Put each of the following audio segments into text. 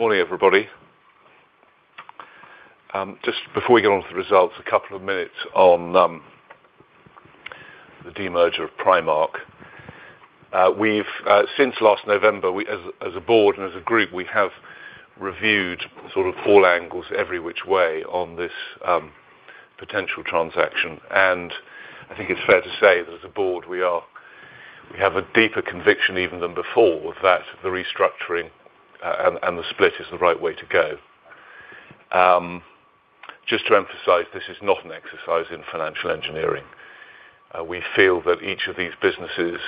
Morning, everybody. Just before we get on with the results, a couple of minutes on the demerger of Primark. Since last November, as a board and as a group, we have reviewed sort of all angles, every which way on this potential transaction. I think it's fair to say that as a board, we have a deeper conviction even than before, that the restructuring and the split is the right way to go. Just to emphasize, this is not an exercise in financial engineering. We feel that each of these businesses,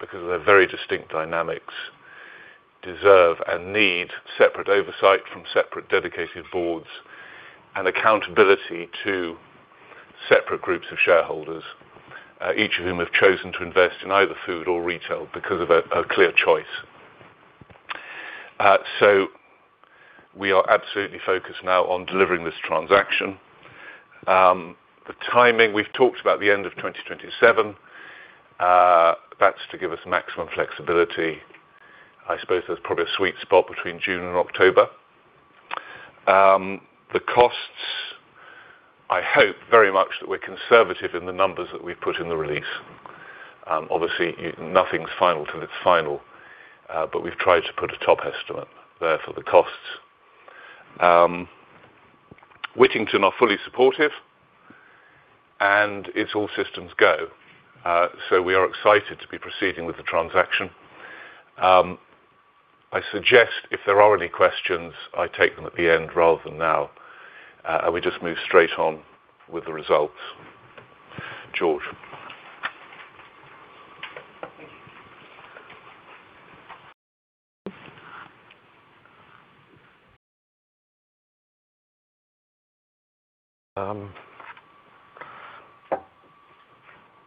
because of their very distinct dynamics, deserve and need separate oversight from separate dedicated boards and accountability to separate groups of shareholders, each of whom have chosen to invest in either food or retail because of a clear choice. We are absolutely focused now on delivering this transaction. The timing, we've talked about the end of 2027. That's to give us maximum flexibility. I suppose there's probably a sweet spot between June and October. The costs, I hope very much that we're conservative in the numbers that we've put in the release. Obviously, nothing's final till it's final, but we've tried to put a top estimate there for the costs. Wittington are fully supportive, and it's all systems go. We are excited to be proceeding with the transaction. I suggest if there are any questions, I take them at the end rather than now, and we just move straight on with the results. George. Thank you.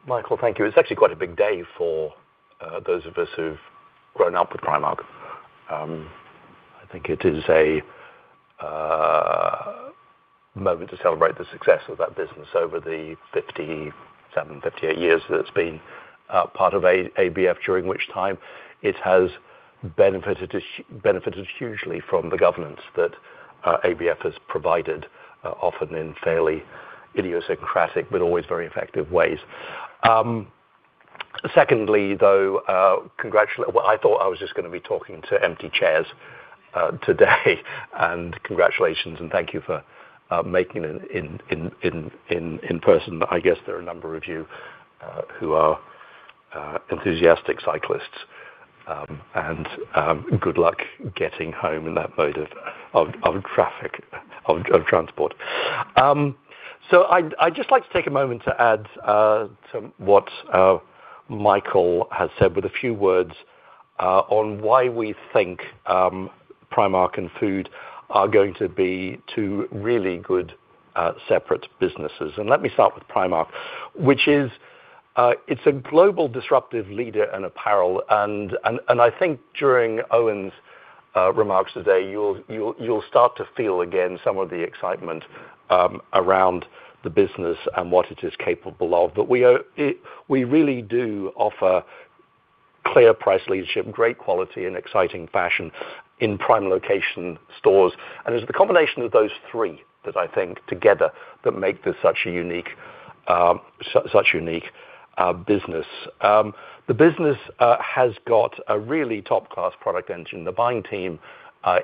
Michael, thank you. It's actually quite a big day for those of us who've grown up with Primark. I think it is a moment to celebrate the success of that business over the 57, 58 years that it's been part of ABF, during which time it has benefited hugely from the governance that ABF has provided, often in fairly idiosyncratic but always very effective ways. Secondly, though, well, I thought I was just going to be talking to empty chairs today, and congratulations and thank you for making it in person. I guess there are a number of you who are enthusiastic cyclists, and good luck getting home in that mode of transport. I'd just like to take a moment to add to what Michael has said with a few words on why we think Primark and Food are going to be two really good separate businesses. Let me start with Primark, which, it's a global disruptive leader in apparel, and I think during Eoin's remarks today, you'll start to feel again some of the excitement around the business and what it is capable of. We really do offer clear price leadership, great quality, and exciting fashion in prime location stores. It's the combination of those three that I think together that make this such a unique business. The business has got a really top-class product engine. The buying team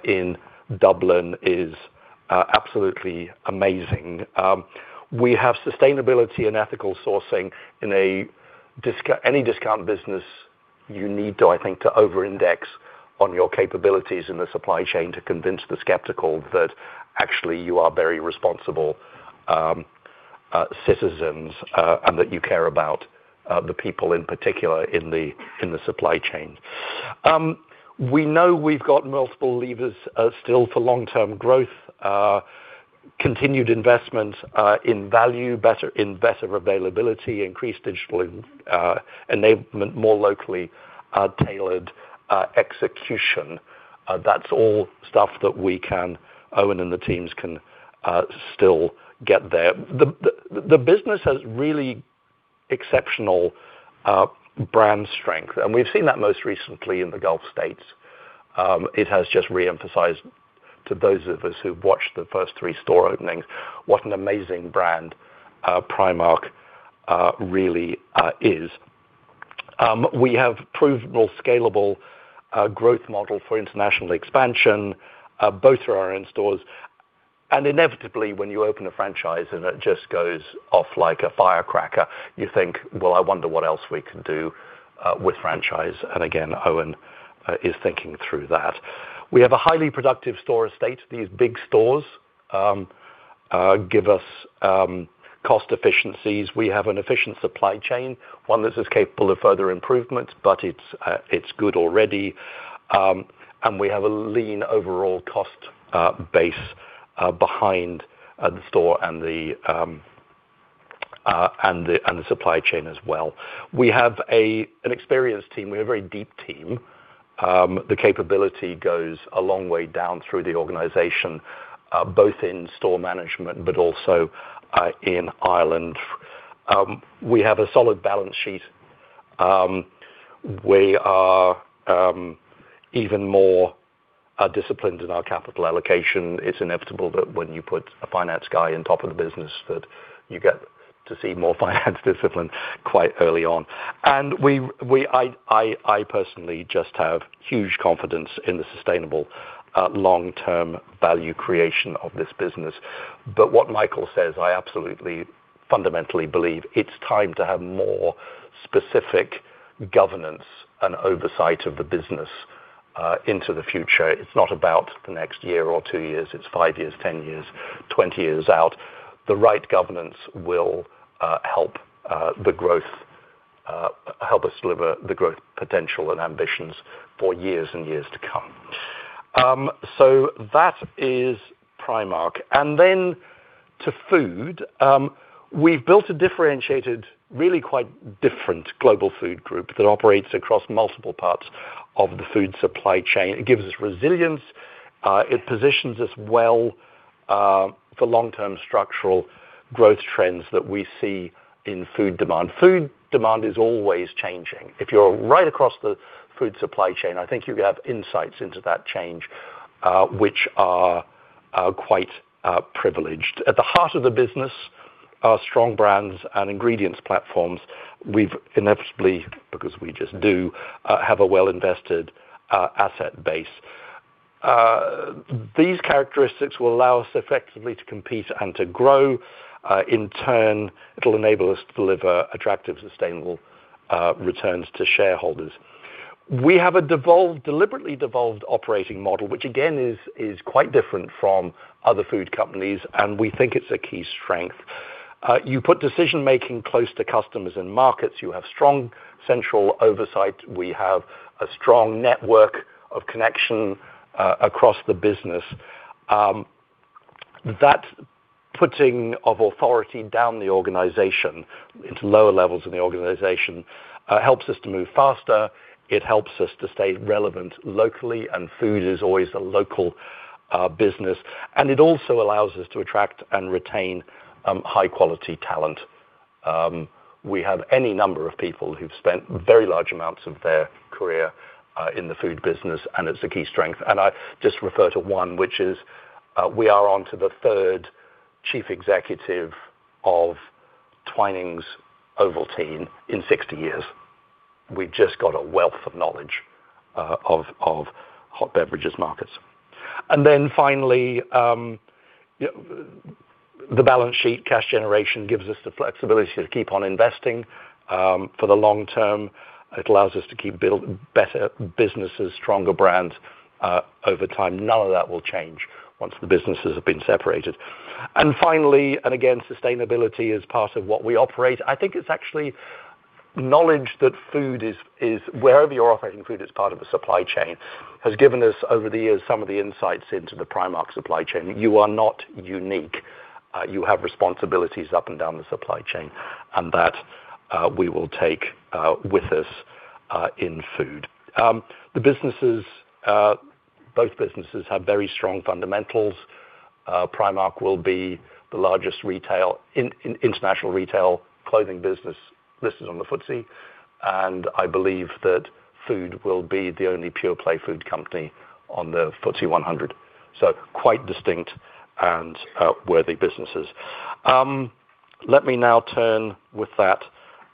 in Dublin is absolutely amazing. We have sustainability and ethical sourcing. In any discount business you need, I think, to over-index on your capabilities in the supply chain to convince the skeptical that actually you are very responsible citizens, and that you care about the people, in particular in the supply chain. We know we've got multiple levers still for long-term growth, continued investment in value, in better availability, increased digital enablement, more locally tailored execution. That's all stuff that we can, Eoin and the teams can still get there. The business has really exceptional brand strength, and we've seen that most recently in the Gulf States. It has just reemphasized to those of us who've watched the first three store openings what an amazing brand Primark really is. We have provable, scalable growth model for international expansion, both through our own stores. Inevitably, when you open a franchise and it just goes off like a firecracker, you think, "Well, I wonder what else we can do with franchise." Eoin is thinking through that. We have a highly productive store estate. These big stores give us cost efficiencies. We have an efficient supply chain, one that is capable of further improvement, but it's good already. We have a lean overall cost base behind the store and the supply chain as well. We have an experienced team. We have a very deep team. The capability goes a long way down through the organization, both in store management but also in Ireland. We have a solid balance sheet. We are even more disciplined in our capital allocation. It's inevitable that when you put a finance guy on top of the business that you get to see more finance discipline quite early on. I personally just have huge confidence in the sustainable long-term value creation of this business. What Michael says, I absolutely fundamentally believe it's time to have more specific governance and oversight of the business into the future. It's not about the next year or two years. It's five years, 10 years, 20 years out. The right governance will help us deliver the growth potential and ambitions for years and years to come. That is Primark, and then to food. We've built a differentiated, really quite different global food group that operates across multiple parts of the food supply chain. It gives us resilience. It positions us well for long-term structural growth trends that we see in food demand. Food demand is always changing. If you're right across the food supply chain, I think you have insights into that change, which are quite privileged. At the heart of the business are strong brands and ingredients platforms. We've inevitably, because we just do, have a well invested asset base. These characteristics will allow us effectively to compete and to grow. In turn, it'll enable us to deliver attractive, sustainable returns to shareholders. We have a deliberately devolved operating model, which again is quite different from other food companies, and we think it's a key strength. You put decision making close to customers and markets. You have strong central oversight. We have a strong network of connection across the business. That putting of authority down the organization into lower levels in the organization helps us to move faster. It helps us to stay relevant locally, and food is always a local business, and it also allows us to attract and retain high quality talent. We have any number of people who've spent very large amounts of their career in the food business, and it's a key strength. I just refer to one, which is, we are onto the third chief executive of Twinings Ovaltine in 60 years. We've just got a wealth of knowledge of hot beverages markets. Then finally, the balance sheet cash generation gives us the flexibility to keep on investing for the long term. It allows us to keep building better businesses, stronger brands over time. None of that will change once the businesses have been separated. Finally, and again, sustainability is part of what we operate. I think it's actually knowledge that food is, wherever you're operating food as part of a supply chain, has given us, over the years, some of the insights into the Primark supply chain. You are not unique. You have responsibilities up and down the supply chain, and that we will take with us in food. Both businesses have very strong fundamentals. Primark will be the largest international retail clothing business listed on the FTSE, and I believe that food will be the only pure play food company on the FTSE 100. Quite distinct and worthy businesses. Let me now turn with that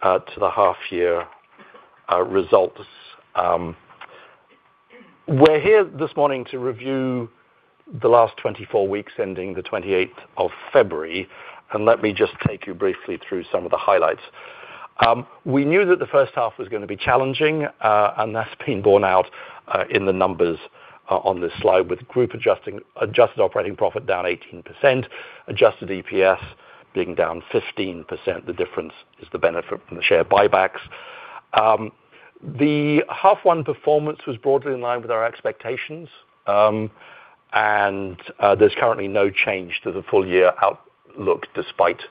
to the half year results. We're here this morning to review the last 24 weeks, ending the 28th of February, and let me just take you briefly through some of the highlights. We knew that the first half was going to be challenging, and that's been borne out in the numbers on this slide with group adjusted operating profit down 18%, adjusted EPS being down 15%. The difference is the benefit from the share buybacks. The H1 performance was broadly in line with our expectations. There's currently no change to the full year outlook despite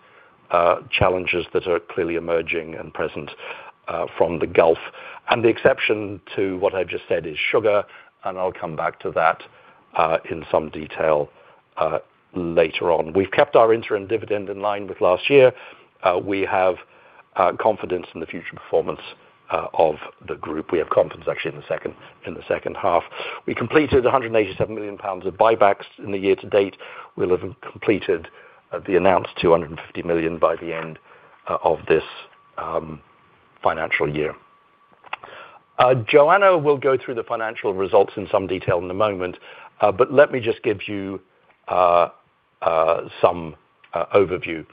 challenges that are clearly emerging and present from the Gulf. The exception to what I've just said is sugar, and I'll come back to that in some detail later on. We've kept our interim dividend in line with last year. We have confidence in the future performance of the group. We have confidence actually in the second half. We completed 187 million pounds of buybacks in the year to date. We'll have completed the announced 250 million by the end of this financial year. Joana will go through the financial results in some detail in a moment, but let me just give you some overview.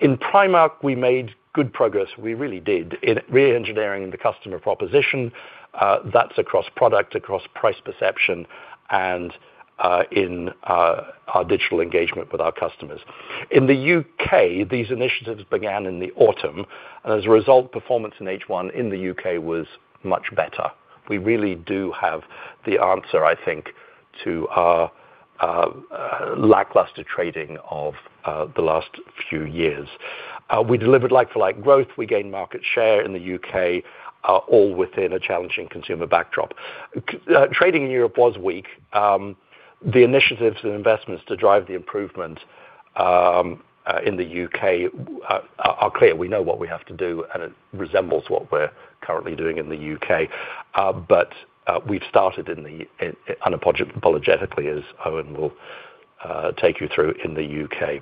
In Primark, we made good progress. We really did, in re-engineering the customer proposition. That's across product, across price perception, and in our digital engagement with our customers. In the U.K., these initiatives began in the autumn. As a result, performance in H1 in the U.K. was much better. We really do have the answer, I think, to our lackluster trading of the last few years. We delivered like-for-like growth. We gained market share in the U.K., all within a challenging consumer backdrop. Trading in Europe was weak. The initiatives and investments to drive the improvement in the U.K. are clear. We know what we have to do, and it resembles what we're currently doing in the U.K. We've started unapologetically, as Eoin will take you through in the U.K.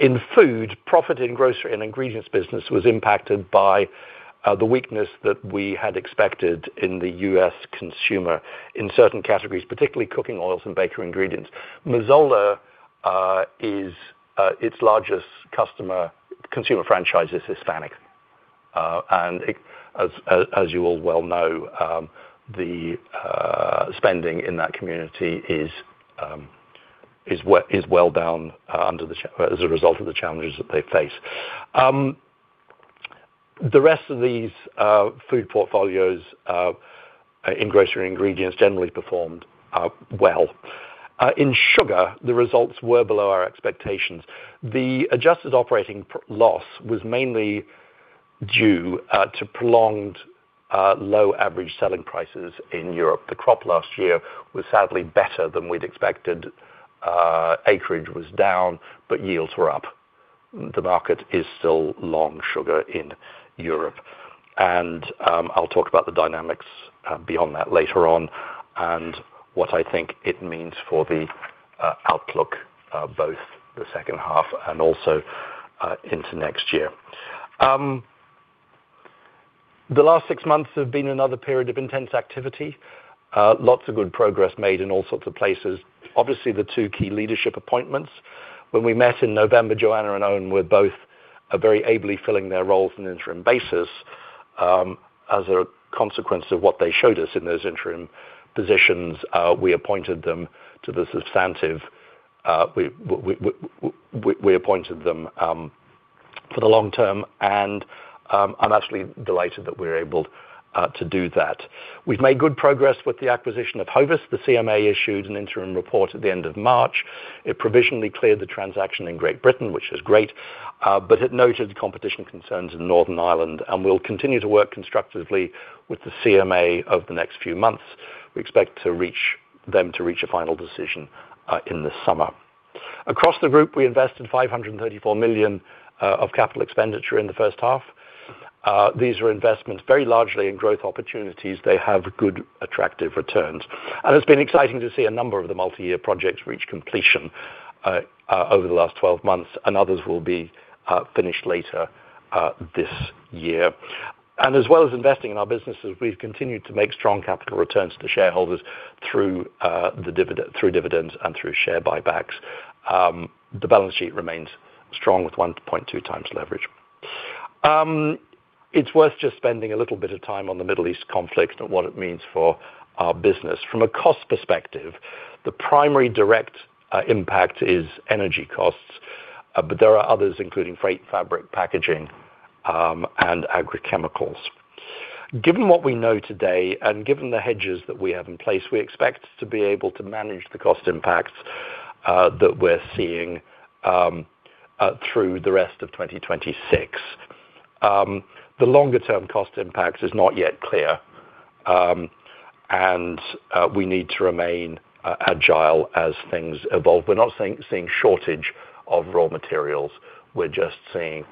In food, profit in grocery and ingredients business was impacted by the weakness that we had expected in the U.S. consumer in certain categories, particularly cooking oils and bakery ingredients. Mazola, its largest consumer franchise, is Hispanic. As you all well know, the spending in that community is well down as a result of the challenges that they face. The rest of these food portfolios in grocery ingredients generally performed well. In sugar, the results were below our expectations. The adjusted operating loss was mainly due to prolonged low average selling prices in Europe. The crop last year was sadly better than we'd expected. Acreage was down, but yields were up. The market is still long sugar in Europe, and I'll talk about the dynamics beyond that later on and what I think it means for the outlook, both the second half and also into next year. The last six months have been another period of intense activity. Lots of good progress made in all sorts of places. Obviously, the two key leadership appointments. When we met in November, Joana and Eoin were both very ably filling their roles on an interim basis. As a consequence of what they showed us in those interim positions, we appointed them for the long term, and I'm actually delighted that we're able to do that. We've made good progress with the acquisition of Hovis. The CMA issued an interim report at the end of March. It provisionally cleared the transaction in Great Britain, which is great, but it noted competition concerns in Northern Ireland, and we'll continue to work constructively with the CMA over the next few months. We expect them to reach a final decision in the summer. Across the group, we invested 534 million of capital expenditure in the first half. These are investments very largely in growth opportunities. They have good, attractive returns. It's been exciting to see a number of the multi-year projects reach completion over the last 12 months, and others will be finished later this year. As well as investing in our businesses, we've continued to make strong capital returns to shareholders through dividends and through share buybacks. The balance sheet remains strong with 1.2x leverage. It's worth just spending a little bit of time on the Middle East conflict and what it means for our business. From a cost perspective, the primary direct impact is energy costs, but there are others, including freight, fabric, packaging, and agrichemicals. Given what we know today and given the hedges that we have in place, we expect to be able to manage the cost impacts that we're seeing through the rest of 2026. The longer-term cost impact is not yet clear, and we need to remain agile as things evolve. We're not seeing shortage of raw materials. We're just seeing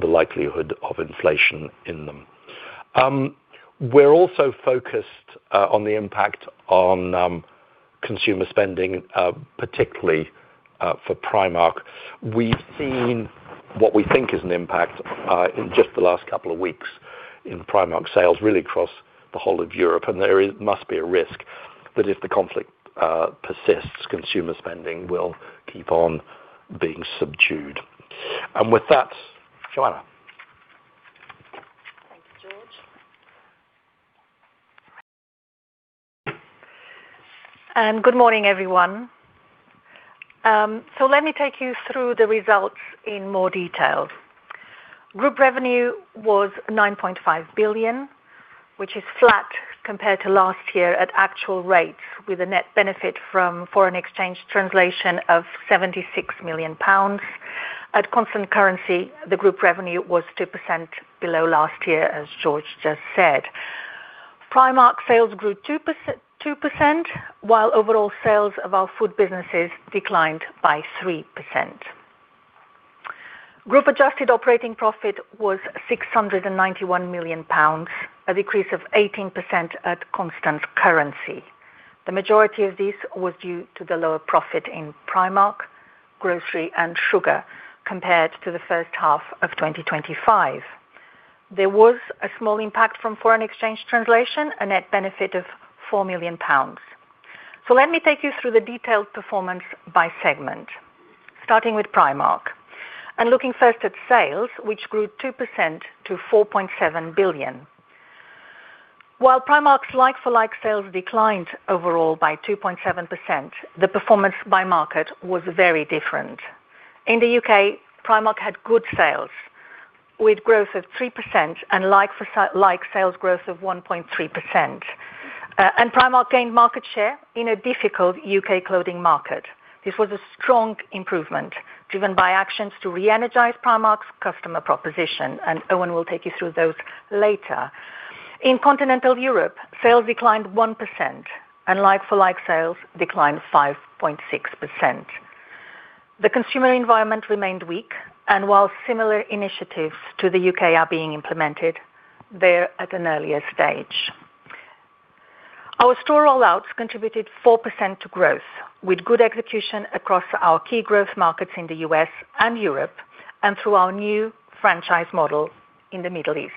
the likelihood of inflation in them. We're also focused on the impact on consumer spending, particularly for Primark. We've seen what we think is an impact in just the last couple of weeks in Primark sales really across the whole of Europe, and there must be a risk that if the conflict persists, consumer spending will keep on being subdued. With that, Joana. Good morning, everyone. Let me take you through the results in more detail. Group revenue was 9.5 billion, which is flat compared to last year at actual rates, with a net benefit from foreign exchange translation of 76 million pounds. At constant currency, the group revenue was 2% below last year, as George just said. Primark sales grew 2%, while overall sales of our food businesses declined by 3%. Group adjusted operating profit was 691 million pounds, a decrease of 18% at constant currency. The majority of this was due to the lower profit in Primark, grocery, and sugar compared to the first half of 2025. There was a small impact from foreign exchange translation, a net benefit of 4 million pounds. Let me take you through the detailed performance by segment, starting with Primark and looking first at sales, which grew 2% to 4.7 billion. While Primark's like-for-like sales declined overall by 2.7%, the performance by market was very different. In the U.K., Primark had good sales with growth of 3% and like-for-like sales growth of 1.3%. Primark gained market share in a difficult U.K. clothing market. This was a strong improvement driven by actions to reenergize Primark's customer proposition, and Eoin will take you through those later. In continental Europe, sales declined 1%, and like-for-like sales declined 5.6%. The consumer environment remained weak, and while similar initiatives to the U.K. are being implemented, they're at an earlier stage. Our store rollouts contributed 4% to growth, with good execution across our key growth markets in the U.S. and Europe, and through our new franchise model in the Middle East.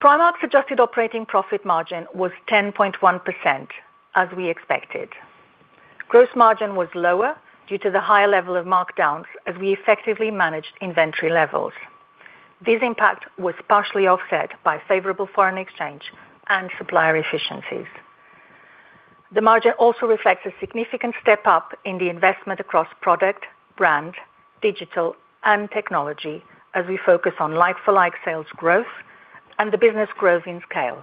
Primark's adjusted operating profit margin was 10.1% as we expected. Gross margin was lower due to the higher level of markdowns as we effectively managed inventory levels. This impact was partially offset by favorable foreign exchange and supplier efficiencies. The margin also reflects a significant step up in the investment across product, brand, digital, and technology as we focus on like-for-like sales growth and the business growth in scale.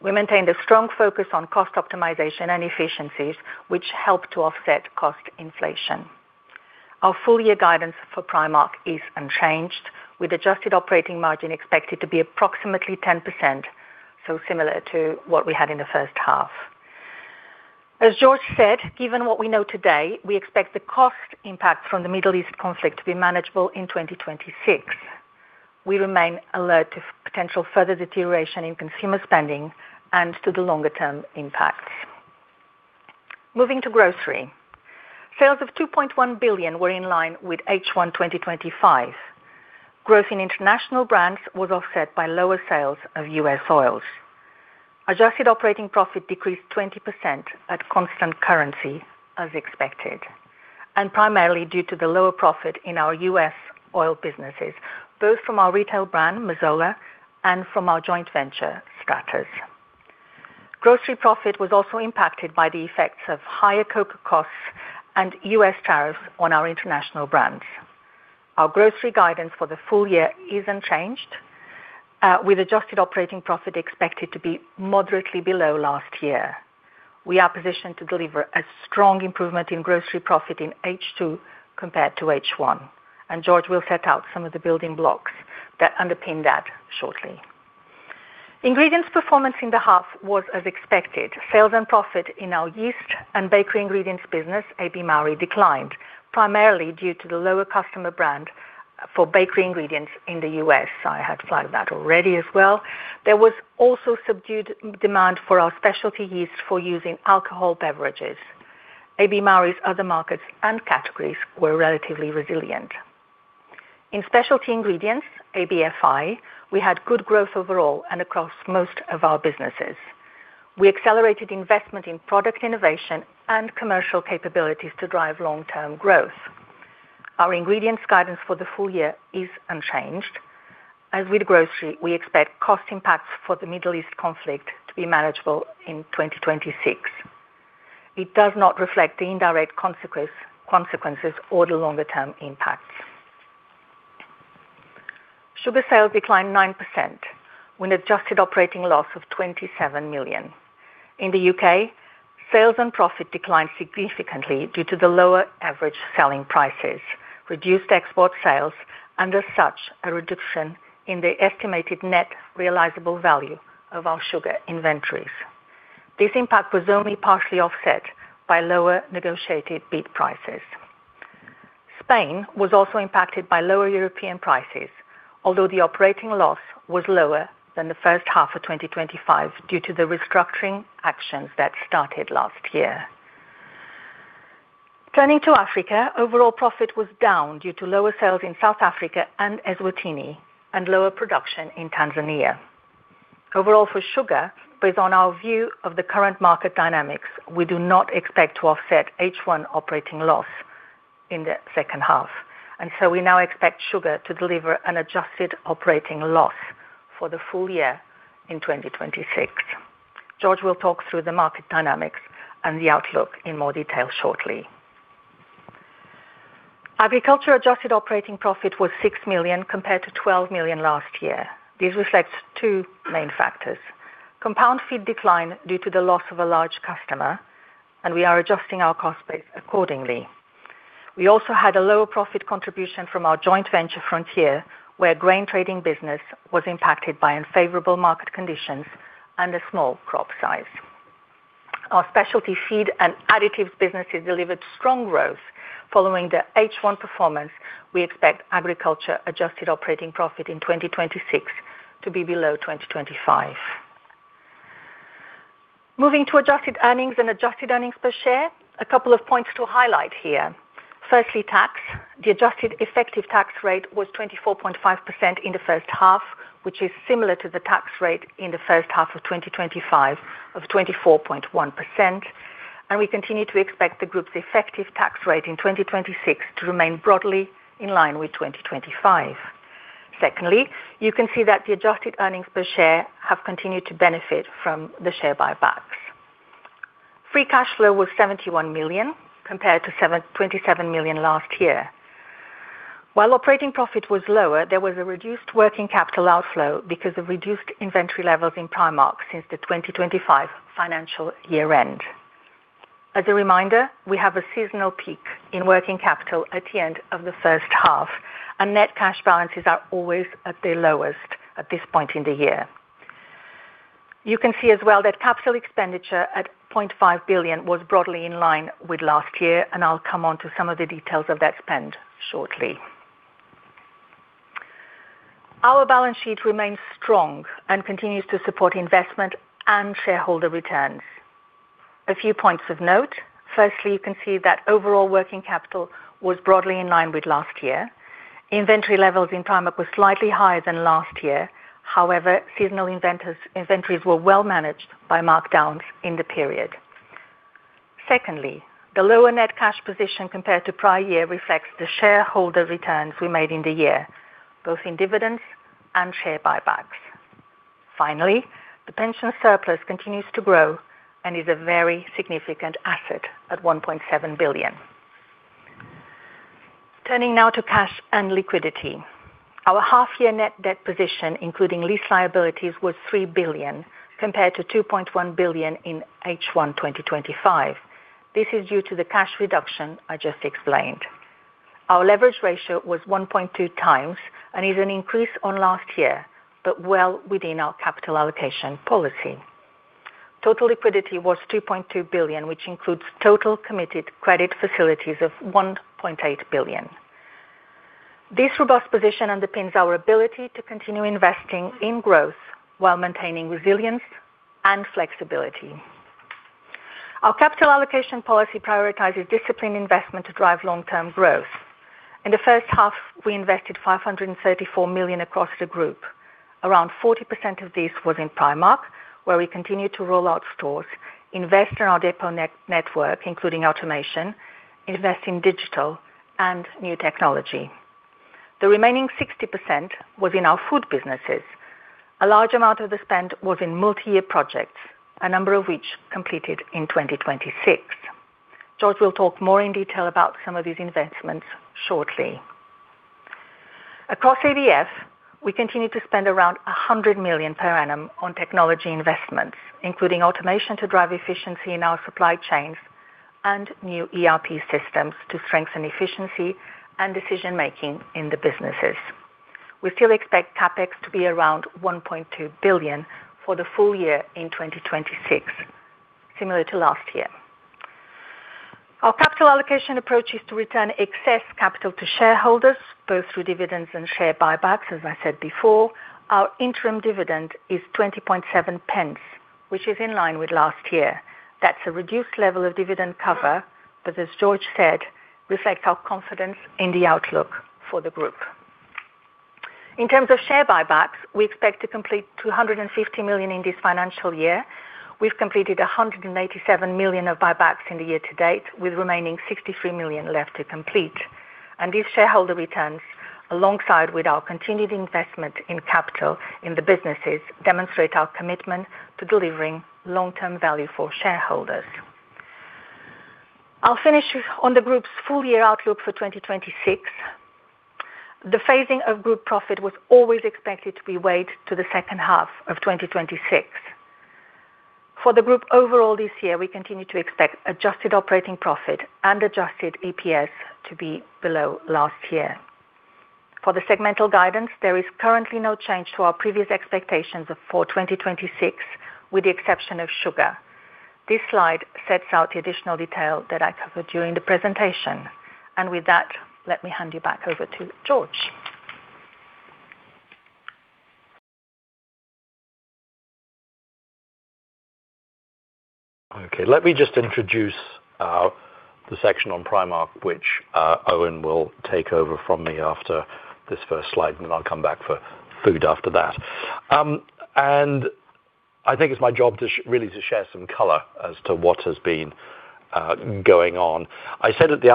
We maintained a strong focus on cost optimization and efficiencies, which helped to offset cost inflation. Our full year guidance for Primark is unchanged, with adjusted operating margin expected to be approximately 10%, so similar to what we had in the first half. As George said, given what we know today, we expect the cost impact from the Middle East conflict to be manageable in 2026. We remain alert to potential further deterioration in consumer spending and to the longer term impacts. Moving to Grocery. Sales of 2.1 billion were in line with H1 2025. Growth in international brands was offset by lower sales of U.S. oils. Adjusted operating profit decreased 20% at constant currency as expected, and primarily due to the lower profit in our U.S. oil businesses, both from our retail brand, Mazola, and from our joint venture, Stratas. Grocery profit was also impacted by the effects of higher cocoa costs and U.S. tariffs on our international brands. Our grocery guidance for the full year is unchanged, with adjusted operating profit expected to be moderately below last year. We are positioned to deliver a strong improvement in grocery profit in H2 compared to H1, and George will set out some of the building blocks that underpin that shortly. Ingredients performance in the half was as expected. Sales and profit in our yeast and bakery ingredients business, AB Mauri, declined, primarily due to the lower customer demand for bakery ingredients in the U.S. I had flagged that already as well. There was also subdued demand for our specialty yeast for use in alcoholic beverages. AB Mauri other markets and categories were relatively resilient. In specialty ingredients, ABFI, we had good growth overall and across most of our businesses. We accelerated investment in product innovation and commercial capabilities to drive long-term growth. Our ingredients guidance for the full year is unchanged. As with Grocery, we expect cost impacts for the Middle East conflict to be manageable in 2026. It does not reflect the indirect consequences or the longer term impacts. Sugar sales declined 9% with an adjusted operating loss of 27 million. In the U.K., sales and profit declined significantly due to the lower average selling prices, reduced export sales, and as such, a reduction in the estimated net realizable value of our sugar inventories. This impact was only partially offset by lower negotiated beet prices. Spain was also impacted by lower European prices, although the operating loss was lower than the first half of 2025 due to the restructuring actions that started last year. Turning to Africa, overall profit was down due to lower sales in South Africa and Eswatini and lower production in Tanzania. Overall for sugar, based on our view of the current market dynamics, we do not expect to offset H1 operating loss in the second half, and so we now expect sugar to deliver an adjusted operating loss for the full year in 2026. George will talk through the market dynamics and the outlook in more detail shortly. Agriculture adjusted operating profit was 6 million compared to 12 million last year. This reflects two main factors. Compound feed decline due to the loss of a large customer, and we are adjusting our cost base accordingly. We also had a lower profit contribution from our joint venture, Frontier, where grain trading business was impacted by unfavorable market conditions and a small crop size. Our specialty feed and additives businesses delivered strong growth. Following the H1 performance, we expect agriculture-adjusted operating profit in 2026 to be below 2025. Moving to adjusted earnings and adjusted earnings per share. A couple of points to highlight here. Firstly, tax. The adjusted effective tax rate was 24.5% in the first half, which is similar to the tax rate in the first half of 2025 of 24.1%, and we continue to expect the group's effective tax rate in 2026 to remain broadly in line with 2025. Secondly, you can see that the adjusted earnings per share have continued to benefit from the share buybacks. Free cash flow was 71 million compared to 27 million last year. While operating profit was lower, there was a reduced working capital outflow because of reduced inventory levels in Primark since the 2025 financial year end. As a reminder, we have a seasonal peak in working capital at the end of the first half, and net cash balances are always at their lowest at this point in the year. You can see as well that capital expenditure at 0.5 billion was broadly in line with last year, and I'll come on to some of the details of that spend shortly. Our balance sheet remains strong and continues to support investment and shareholder returns. A few points of note. Firstly, you can see that overall working capital was broadly in line with last year. Inventory levels in Primark were slightly higher than last year. However, seasonal inventories were well managed by markdowns in the period. Secondly, the lower net cash position compared to prior year reflects the shareholder returns we made in the year, both in dividends and share buybacks. Finally, the pension surplus continues to grow and is a very significant asset at 1.7 billion. Turning now to cash and liquidity. Our half-year net debt position, including lease liabilities, was 3 billion, compared to 2.1 billion in H1 2025. This is due to the cash reduction I just explained. Our leverage ratio was 1.2x and is an increase on last year, but well within our capital allocation policy. Total liquidity was 2.2 billion, which includes total committed credit facilities of 1.8 billion. This robust position underpins our ability to continue investing in growth while maintaining resilience and flexibility. Our capital allocation policy prioritizes disciplined investment to drive long-term growth. In the first half, we invested 534 million across the group. Around 40% of this was in Primark, where we continued to roll out stores, invest in our depot network, including automation, invest in digital and new technology. The remaining 60% was in our food businesses. A large amount of the spend was in multi-year projects, a number of which completed in 2026. George will talk more in detail about some of these investments shortly. Across ABF, we continue to spend around 100 million per annum on technology investments, including automation to drive efficiency in our supply chains and new ERP systems to strengthen efficiency and decision-making in the businesses. We still expect CapEx to be around 1.2 billion for the full year in 2026, similar to last year. Our capital allocation approach is to return excess capital to shareholders, both through dividends and share buybacks as I said before. Our interim dividend is 0.207, which is in line with last year. That's a reduced level of dividend cover, but as George said, reflects our confidence in the outlook for the group. In terms of share buybacks, we expect to complete 250 million in this financial year. We've completed 187 million of buybacks in the year to date, with remaining 63 million left to complete. These shareholder returns, alongside with our continued investment in capital in the businesses, demonstrate our commitment to delivering long-term value for shareholders. I'll finish on the group's full-year outlook for 2026. The phasing of group profit was always expected to be weighted to the second half of 2026. For the group overall this year, we continue to expect adjusted operating profit and adjusted EPS to be below last year. For the segmental guidance, there is currently no change to our previous expectations for 2026, with the exception of Sugar. This slide sets out the additional detail that I covered during the presentation. With that, let me hand you back over to George. Okay, let me just introduce the section on Primark, which Eoin will take over from me after this first slide, and then I'll come back for food after that. I think it's my job really to share some color as to what has been going on. I said at the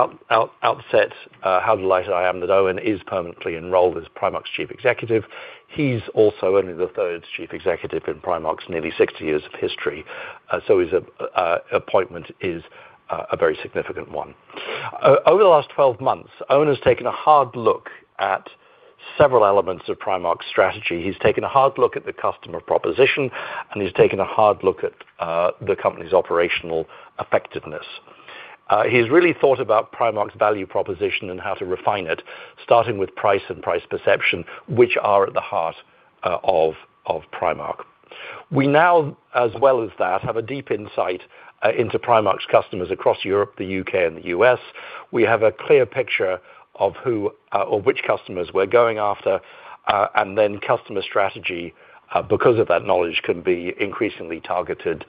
outset how delighted I am that Eoin is permanently enrolled as Primark's Chief Executive. He's also only the third Chief Executive in Primark's nearly 60 years of history, so his appointment is a very significant one. Over the last 12 months, Eoin has taken a hard look at several elements of Primark's strategy. He's taken a hard look at the customer proposition, and he's taken a hard look at the company's operational effectiveness. He's really thought about Primark's value proposition and how to refine it, starting with price and price perception, which are at the heart of Primark. We now, as well as that, have a deep insight into Primark's customers across Europe, the U.K. and the U.S. We have a clear picture of which customers we're going after, and then customer strategy, because of that knowledge, can be increasingly targeted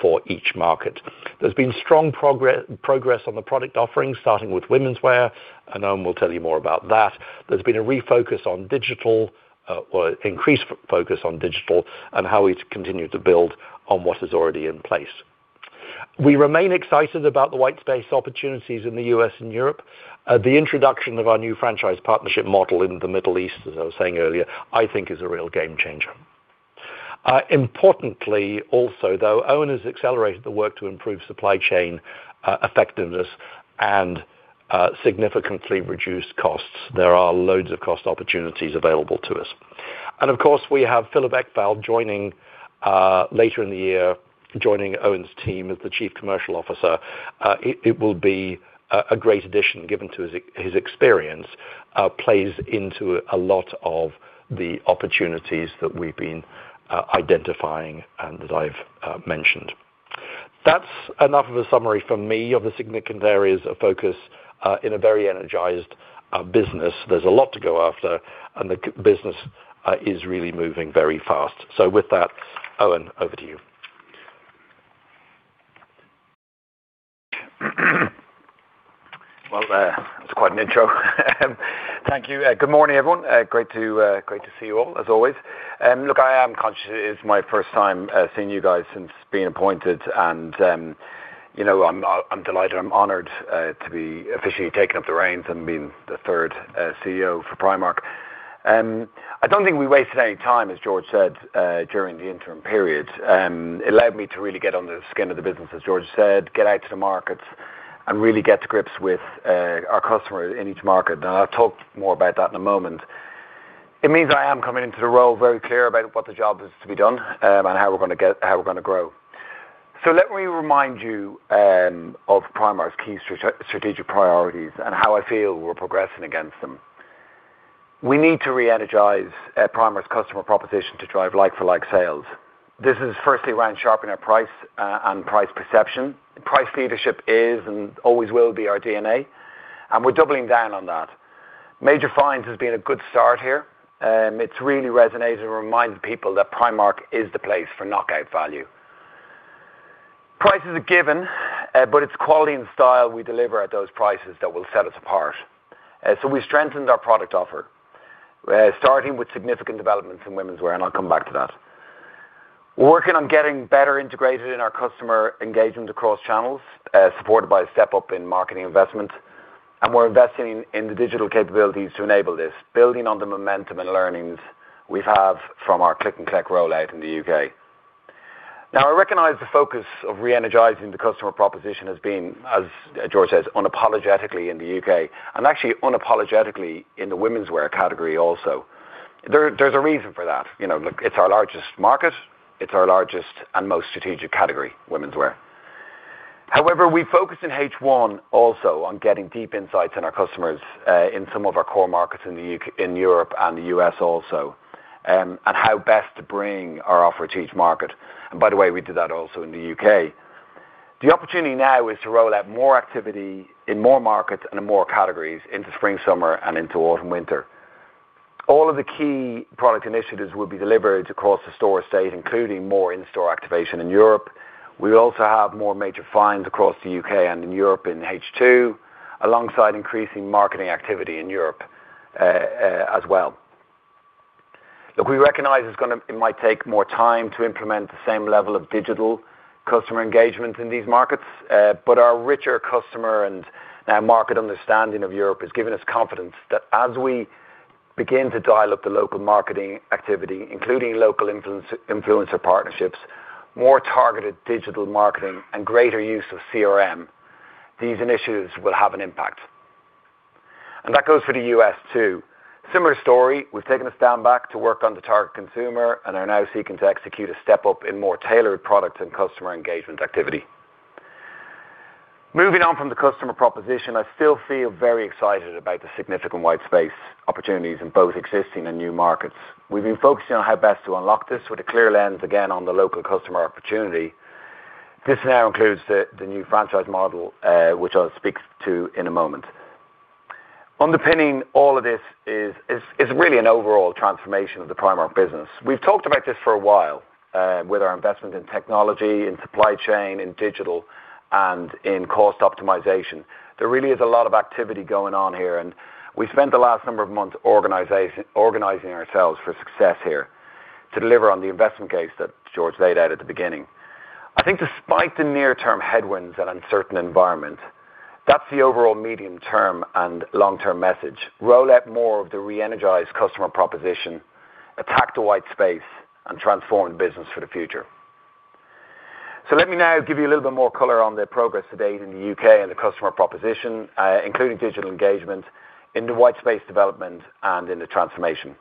for each market. There's been strong progress on the product offerings, starting with womenswear, and Eoin will tell you more about that. There's been a refocus on digital, or increased focus on digital, and how we continue to build on what is already in place. We remain excited about the white space opportunities in the U.S. and Europe. The introduction of our new franchise partnership model in the Middle East, as I was saying earlier, I think is a real game changer. Importantly also, though, Eoin has accelerated the work to improve supply chain effectiveness and significantly reduced costs. There are loads of cost opportunities available to us. Of course, we have Filip Ekvall joining later in the year, joining Eoin's team as the Chief Commercial Officer. It will be a great addition given his experience plays into a lot of the opportunities that we've been identifying and that I've mentioned. That's enough of a summary from me of the significant areas of focus in a very energized business. There's a lot to go after, and the business is really moving very fast. With that, Eoin, over to you. Well, that's quite an intro. Thank you. Good morning, everyone. Great to see you all, as always. Look, I am conscious it is my first time seeing you guys since being appointed. I'm delighted, I'm honored to be officially taking up the reins and being the third CEO for Primark. I don't think we wasted any time, as George said, during the interim period. It allowed me to really get under the skin of the business, as George said, get out to the markets, and really get to grips with our customer in each market. I'll talk more about that in a moment. It means I am coming into the role very clear about what the job is to be done and how we're going to grow. Let me remind you of Primark's key strategic priorities and how I feel we're progressing against them. We need to reenergize Primark's customer proposition to drive like-for-like sales. This is firstly around sharpening our price and price perception. Price leadership is and always will be our DNA, and we're doubling down on that. Major Finds has been a good start here. It's really resonated and reminded people that Primark is the place for knockout value. Price is a given, but it's quality and style we deliver at those prices that will set us apart. We strengthened our product offer, starting with significant developments in womenswear, and I'll come back to that. We're working on getting better integrated in our customer engagement across channels, supported by a step up in marketing investment. We're investing in the digital capabilities to enable this, building on the momentum and learnings we have from our click and collect rollout in the U.K. Now I recognize the focus of reenergizing the customer proposition has been, as George says, unapologetically in the U.K. and actually unapologetically in the womenswear category also. There's a reason for that. It's our largest market. It's our largest and most strategic category, womenswear. However, we focused in H1 also on getting deep insights on our customers, in some of our core markets in Europe and the U.S. also, and how best to bring our offer to each market. By the way, we did that also in the U.K. The opportunity now is to roll out more activity in more markets and in more categories into spring/summer and into autumn/winter. All of the key product initiatives will be delivered across the store estate, including more in-store activation in Europe. We also have more Major Finds across the U.K. and in Europe in H2, alongside increasing marketing activity in Europe, as well. Look, we recognize it might take more time to implement the same level of digital customer engagement in these markets. Our richer customer and market understanding of Europe has given us confidence that as we begin to dial up the local marketing activity, including local influencer partnerships, more targeted digital marketing, and greater use of CRM, these initiatives will have an impact. That goes for the U.S. too. Similar story. We've taken a step back to work on the target consumer and are now seeking to execute a step-up in more tailored product and customer engagement activity. Moving on from the customer proposition, I still feel very excited about the significant white space opportunities in both existing and new markets. We've been focusing on how best to unlock this with a clear lens, again, on the local customer opportunity. This now includes the new franchise model, which I'll speak to in a moment. Underpinning all of this is really an overall transformation of the Primark business. We've talked about this for a while, with our investment in technology, in supply chain, in digital, and in cost optimization. There really is a lot of activity going on here, and we spent the last number of months organizing ourselves for success here to deliver on the investment case that George laid out at the beginning. I think despite the near-term headwinds and uncertain environment, that's the overall medium-term and long-term message. Roll out more of the reenergized customer proposition, attack the white space, and transform the business for the future. Let me now give you a little bit more color on the progress to date in the U.K. and the customer proposition, including digital engagement in the white space development and in the transformation.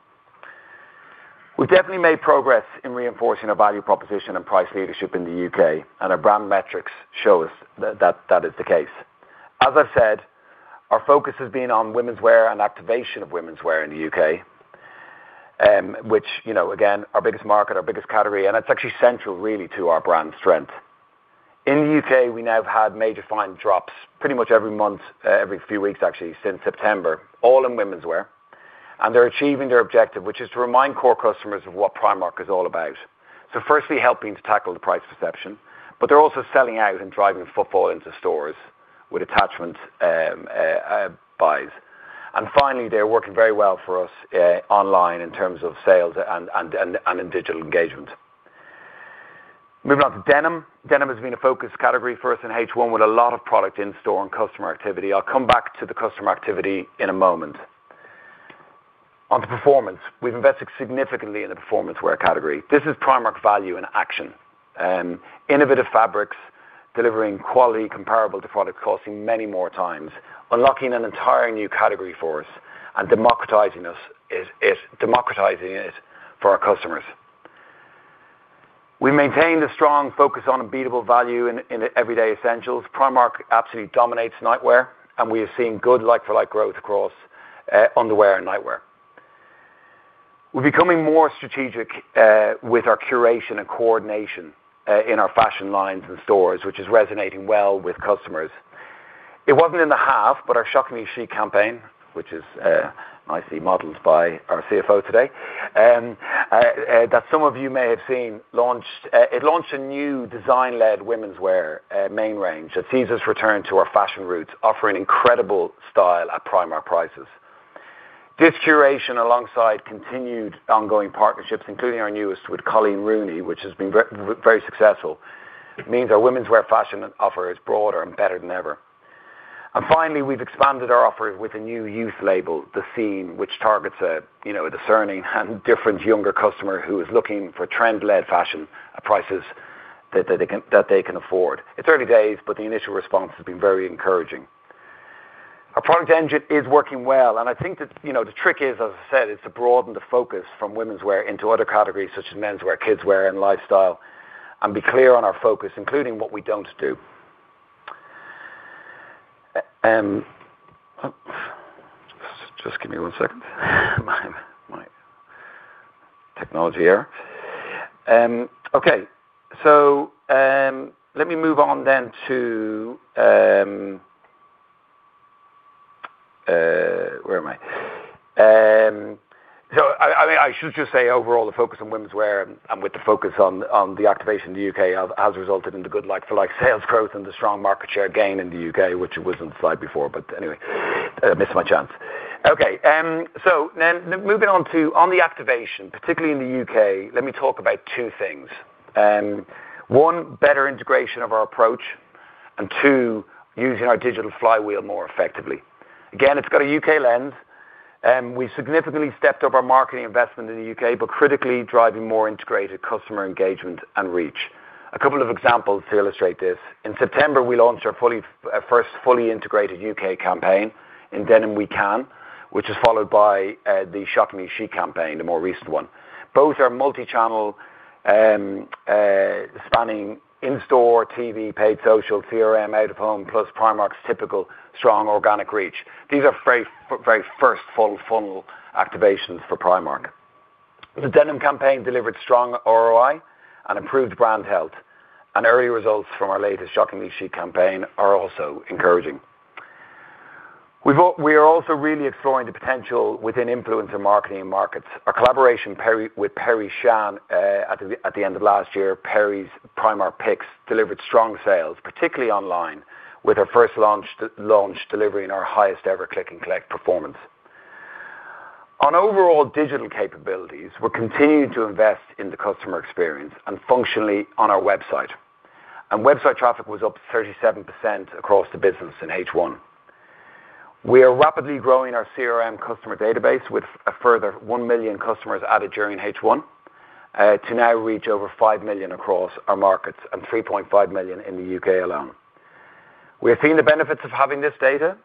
We've definitely made progress in reinforcing our value proposition and price leadership in the U.K., and our brand metrics show us that is the case. As I've said, our focus has been on womenswear and activation of womenswear in the U.K., which again, our biggest market, our biggest category, and it's actually central, really, to our brand strength. In the U.K., we now have had Major Finds drops pretty much every month, every few weeks actually, since September, all in womenswear. They're achieving their objective, which is to remind core customers of what Primark is all about. Firstly helping to tackle the price perception, but they're also selling out and driving footfall into stores with attachment buys. Finally, they're working very well for us online in terms of sales and in digital engagement. Moving on to denim. Denim has been a focus category for us in H1 with a lot of product in store and customer activity. I'll come back to the customer activity in a moment. On performance, we've invested significantly in the performance wear category. This is Primark value in action. Innovative fabrics delivering quality comparable to products costing many more times, unlocking an entire new category for us and democratizing it for our customers. We maintained a strong focus on unbeatable value in everyday essentials. Primark absolutely dominates nightwear, and we are seeing good like-for-like growth across underwear and nightwear. We're becoming more strategic with our curation and coordination in our fashion lines and stores, which is resonating well with customers. It wasn't in the half, but our Shock Me Chic campaign, which is nicely modeled by our CFO today, that some of you may have seen, it launched a new design-led womenswear main range that sees us return to our fashion roots, offering incredible style at Primark prices. This curation, alongside continued ongoing partnerships, including our newest with Coleen Rooney, which has been very successful, means our womenswear fashion offer is broader and better than ever. Finally, we've expanded our offering with a new youth label, The Scene, which targets a discerning and different younger customer who is looking for trend-led fashion at prices that they can afford. It's early days, but the initial response has been very encouraging. Our product engine is working well, and I think that the trick is, as I said, is to broaden the focus from womenswear into other categories such as menswear, kidswear, and lifestyle, and be clear on our focus, including what we don't do. Just give me one second. My technology error. Okay. Let me move on to where am I? I should just say, overall, the focus on womenswear and with the focus on the activation in the U.K. has resulted in the good like-for-like sales growth and the strong market share gain in the U.K., which wasn't the slide before, but anyway, I missed my chance. Okay. Moving on to the activation, particularly in the U.K., let me talk about two things. One, better integration of our approach. Two, using our digital flywheel more effectively. Again, it's got a U.K. lens. We significantly stepped up our marketing investment in the U.K., but critically driving more integrated customer engagement and reach. A couple of examples to illustrate this. In September, we launched our first fully integrated U.K. campaign, In Denim We Can, which is followed by the Shock Me Chic campaign, the more recent one. Both are multi-channel, spanning in-store, TV, paid social, CRM, out-of-home, plus Primark's typical strong organic reach. These are very first full funnel activations for Primark. The denim campaign delivered strong ROI and improved brand health, and early results from our latest Shock Me Chic campaign are also encouraging. We are also really exploring the potential within influencer marketing in markets. Our collaboration with Perrie Sian at the end of last year. Perrie's Primark picks delivered strong sales, particularly online, with her first launch delivering our highest ever click and collect performance. On overall digital capabilities, we're continuing to invest in the customer experience and functionally on our website. Website traffic was up 37% across the business in H1. We are rapidly growing our CRM customer database with a further 1 million customers added during H1 to now reach over 5 million across our markets and 3.5 million in the U.K. alone. We are seeing the benefits of having this data.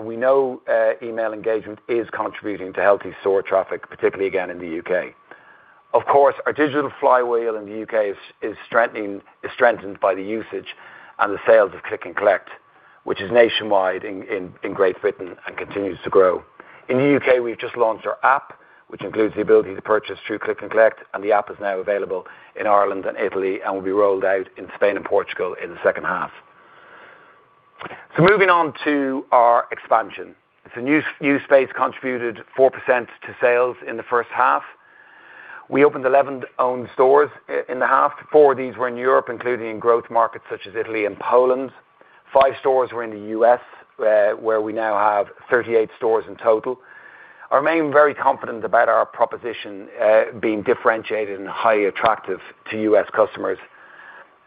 We know email engagement is contributing to healthy store traffic, particularly again in the U.K. Of course, our digital flywheel in the U.K. is strengthened by the usage and the sales of click and collect, which is nationwide in Great Britain and continues to grow. In the U.K., we've just launched our app, which includes the ability to purchase through click and collect, and the app is now available in Ireland and Italy and will be rolled out in Spain and Portugal in the second half. Moving on to our expansion. New space contributed 4% to sales in the first half. We opened 11 owned stores in the half. Four of these were in Europe, including in growth markets such as Italy and Poland. Five stores were in the U.S., where we now have 38 stores in total. I remain very confident about our proposition being differentiated and highly attractive to U.S. customers.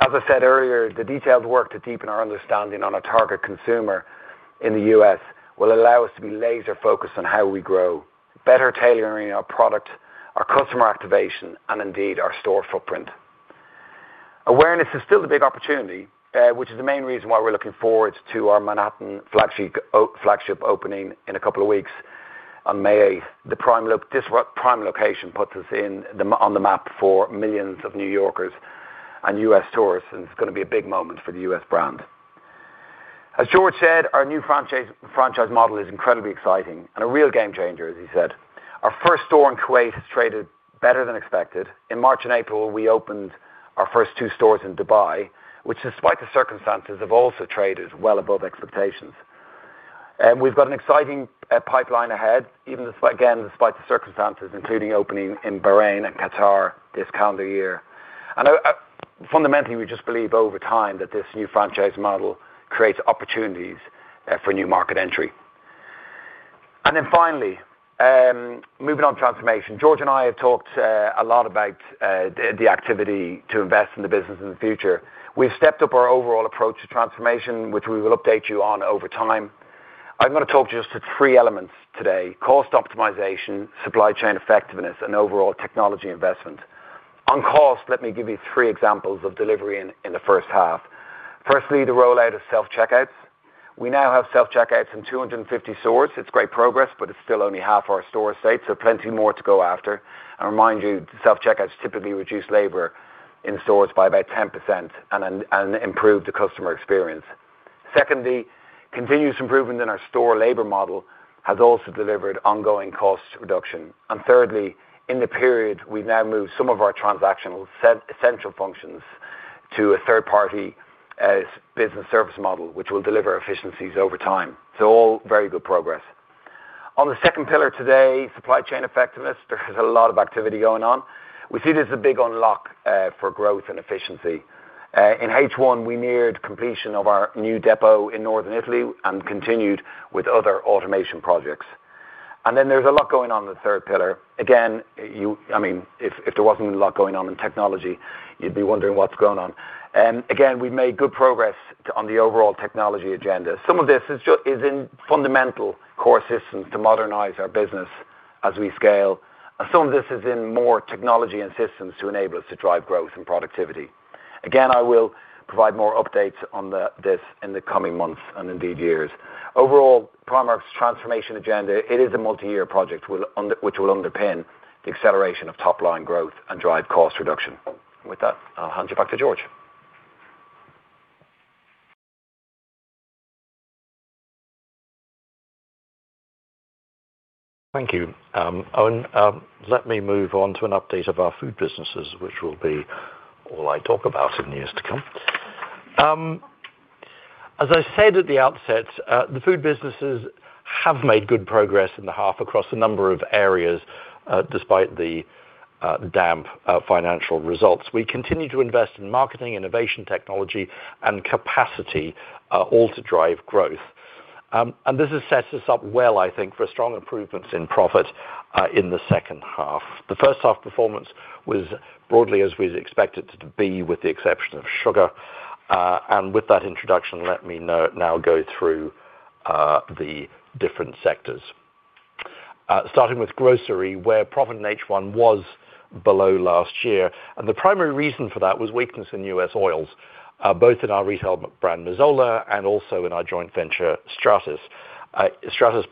As I said earlier, the detailed work to deepen our understanding on a target consumer in the U.S. will allow us to be laser-focused on how we grow, better tailoring our product, our customer activation, and indeed our store footprint. Awareness is still the big opportunity, which is the main reason why we're looking forward to our Manhattan flagship opening in a couple of weeks on May 8th. This prime location puts us on the map for millions of New Yorkers and U.S. tourists, and it's going to be a big moment for the U.S. brand. As George said, our new franchise model is incredibly exciting and a real game changer, as he said. Our first store in Kuwait has traded better than expected. In March and April, we opened our first two stores in Dubai, which despite the circumstances, have also traded well above expectations. We've got an exciting pipeline ahead, even again, despite the circumstances, including opening in Bahrain and Qatar this calendar year. Fundamentally, we just believe over time that this new franchise model creates opportunities for new market entry. Finally, moving on transformation. George and I have talked a lot about the activity to invest in the business in the future. We've stepped up our overall approach to transformation, which we will update you on over time. I'm going to talk just at three elements today, cost optimization, supply chain effectiveness, and overall technology investment. On cost, let me give you three examples of delivery in the first half. Firstly, the rollout of self-checkouts. We now have self-checkouts in 250 stores. It's great progress, but it's still only half our store estate, so plenty more to go after. I remind you, self-checkouts typically reduce labor in stores by about 10% and improve the customer experience. Secondly, continuous improvement in our store labor model has also delivered ongoing cost reduction. Thirdly, in the period, we've now moved some of our transactional essential functions to a third-party business services model, which will deliver efficiencies over time. All very good progress. On the second pillar today, supply chain effectiveness. There is a lot of activity going on. We see it as a big unlock for growth and efficiency. In H1, we neared completion of our new depot in Northern Italy and continued with other automation projects. There's a lot going on in the third pillar. Again, if there wasn't a lot going on in technology, you'd be wondering what's going on. Again, we've made good progress on the overall technology agenda. Some of this is in fundamental core systems to modernize our business as we scale, and some of this is in more technology and systems to enable us to drive growth and productivity. Again, I will provide more updates on this in the coming months, and indeed years. Overall, Primark's transformation agenda, it is a multi-year project which will underpin the acceleration of top-line growth and drive cost reduction. With that, I'll hand you back to George. Thank you, Eoin. Let me move on to an update of our food businesses, which will be all I talk about in years to come. As I said at the outset, the food businesses have made good progress in the half across a number of areas, despite the damp financial results. We continue to invest in marketing, innovation technology, and capacity, all to drive growth. This has set us up well, I think, for strong improvements in profit in the second half. The first half performance was broadly as we had expected it to be with the exception of sugar. With that introduction, let me now go through the different sectors. Starting with grocery, where profit in H1 was below last year, and the primary reason for that was weakness in U.S. oils, both in our retail brand Mazola and also in our joint venture Stratas. Stratas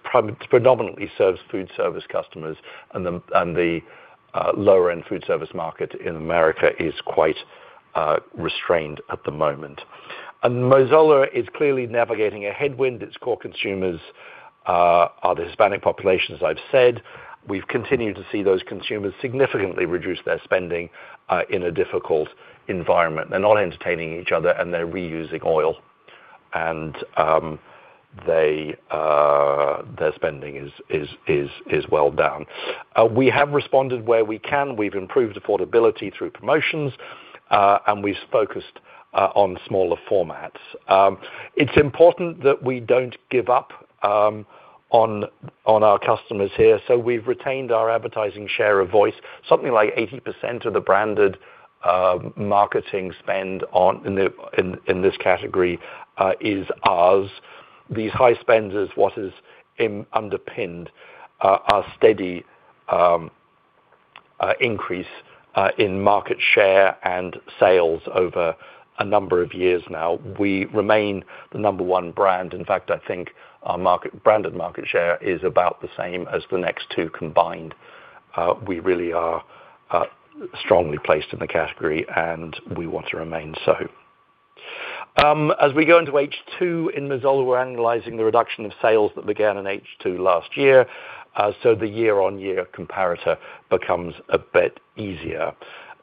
predominantly serves food service customers and the lower-end food service market in America is quite restrained at the moment. Mazola is clearly navigating a headwind. Its core consumers are the Hispanic population, as I've said. We've continued to see those consumers significantly reduce their spending in a difficult environment. They're not entertaining each other and they're reusing oil and their spending is well down. We have responded where we can. We've improved affordability through promotions, and we've focused on smaller formats. It's important that we don't give up on our customers here, so we've retained our advertising share of voice. Something like 80% of the branded marketing spend in this category is ours. These high spends is what has underpinned our steady increase in market share and sales over a number of years now. We remain the number one brand. In fact, I think our branded market share is about the same as the next two combined. We really are strongly placed in the category and we want to remain so. As we go into H2 in Mazola, we're analyzing the reduction of sales that began in H2 last year, so the year-on-year comparator becomes a bit easier.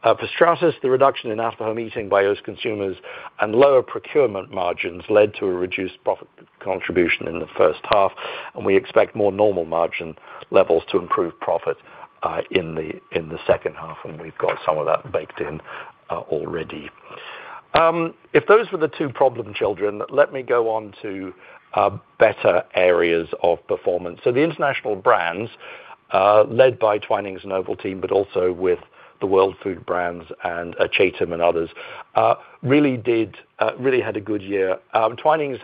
For Stratas, the reduction in out-of-home eating by those consumers and lower procurement margins led to a reduced profit contribution in the first half, and we expect more normal margin levels to improve profit in the second half, and we've got some of that baked in already. If those were the two problem children, let me go on to better areas of performance. The international brands, led by Twinings and Ovaltine, but also with the World Foods brands and Chatham and others, really had a good year. Twinings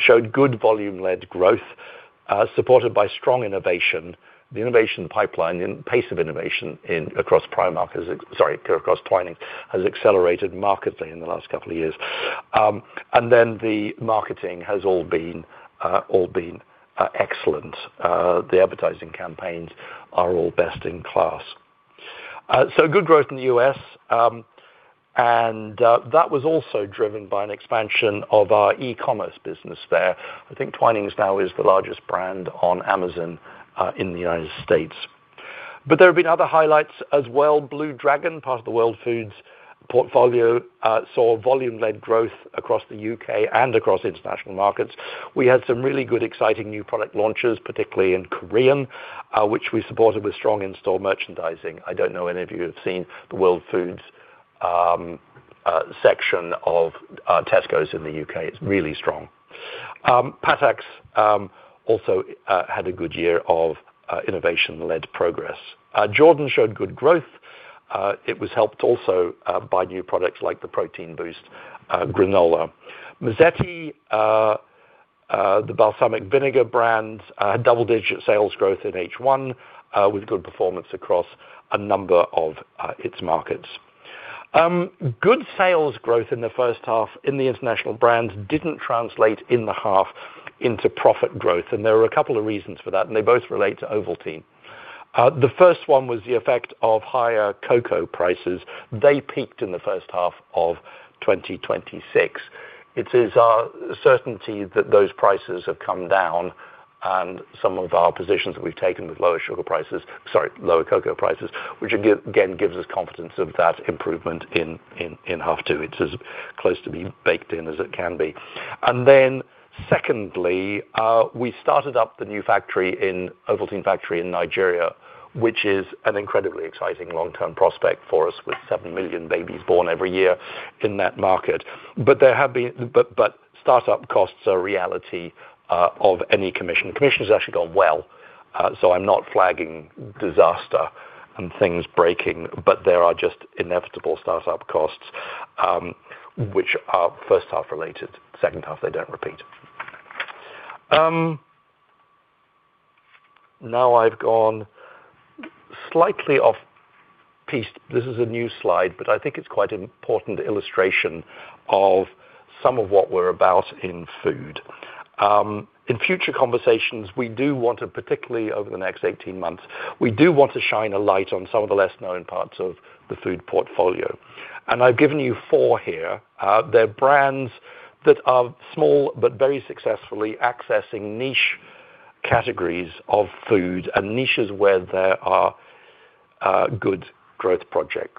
showed good volume-led growth, supported by strong innovation. The innovation pipeline and pace of innovation across Twinings has accelerated markedly in the last couple of years. The marketing has all been excellent. The advertising campaigns are all best in class. Good growth in the U.S., and that was also driven by an expansion of our e-commerce business there. I think Twinings now is the largest brand on Amazon in the United States. There have been other highlights as well. Blue Dragon, part of the World Foods portfolio, saw volume-led growth across the U.K. and across international markets. We had some really good, exciting new product launches, particularly in Korean, which we supported with strong in-store merchandising. I don't know if any of you have seen the World Foods section of Tesco's in the U.K. It's really strong. Patak's also had a good year of innovation-led progress. Jordans showed good growth. It was helped also by new products like the Protein Boost granola. Mazzetti, the balsamic vinegar brand, double-digit sales growth in H1 with good performance across a number of its markets. Good sales growth in the first half in the international brands didn't translate in the half into profit growth, and there are a couple of reasons for that, and they both relate to Ovaltine. The first one was the effect of higher cocoa prices. They peaked in the first half of 2026. It is our certainty that those prices have come down and some of our positions that we've taken with lower sugar prices, sorry, lower cocoa prices, which again gives us confidence of that improvement in half two. It's as close to being baked in as it can be. Secondly, we started up the new Ovaltine factory in Nigeria, which is an incredibly exciting long-term prospect for us with 7 million babies born every year in that market. Startup costs are a reality of any commissioning. Commissioning's actually gone well, so I'm not flagging disaster and things breaking, but there are just inevitable startup costs, which are first half related. Second half, they don't repeat. Now I've gone slightly off piste. This is a new slide, but I think it's quite an important illustration of some of what we're about in food. In future conversations, we do want to, particularly over the next 18 months, we do want to shine a light on some of the less known parts of the food portfolio. I've given you four here. They're brands that are small, but very successfully accessing niche categories of food and niches where there are good growth prospects.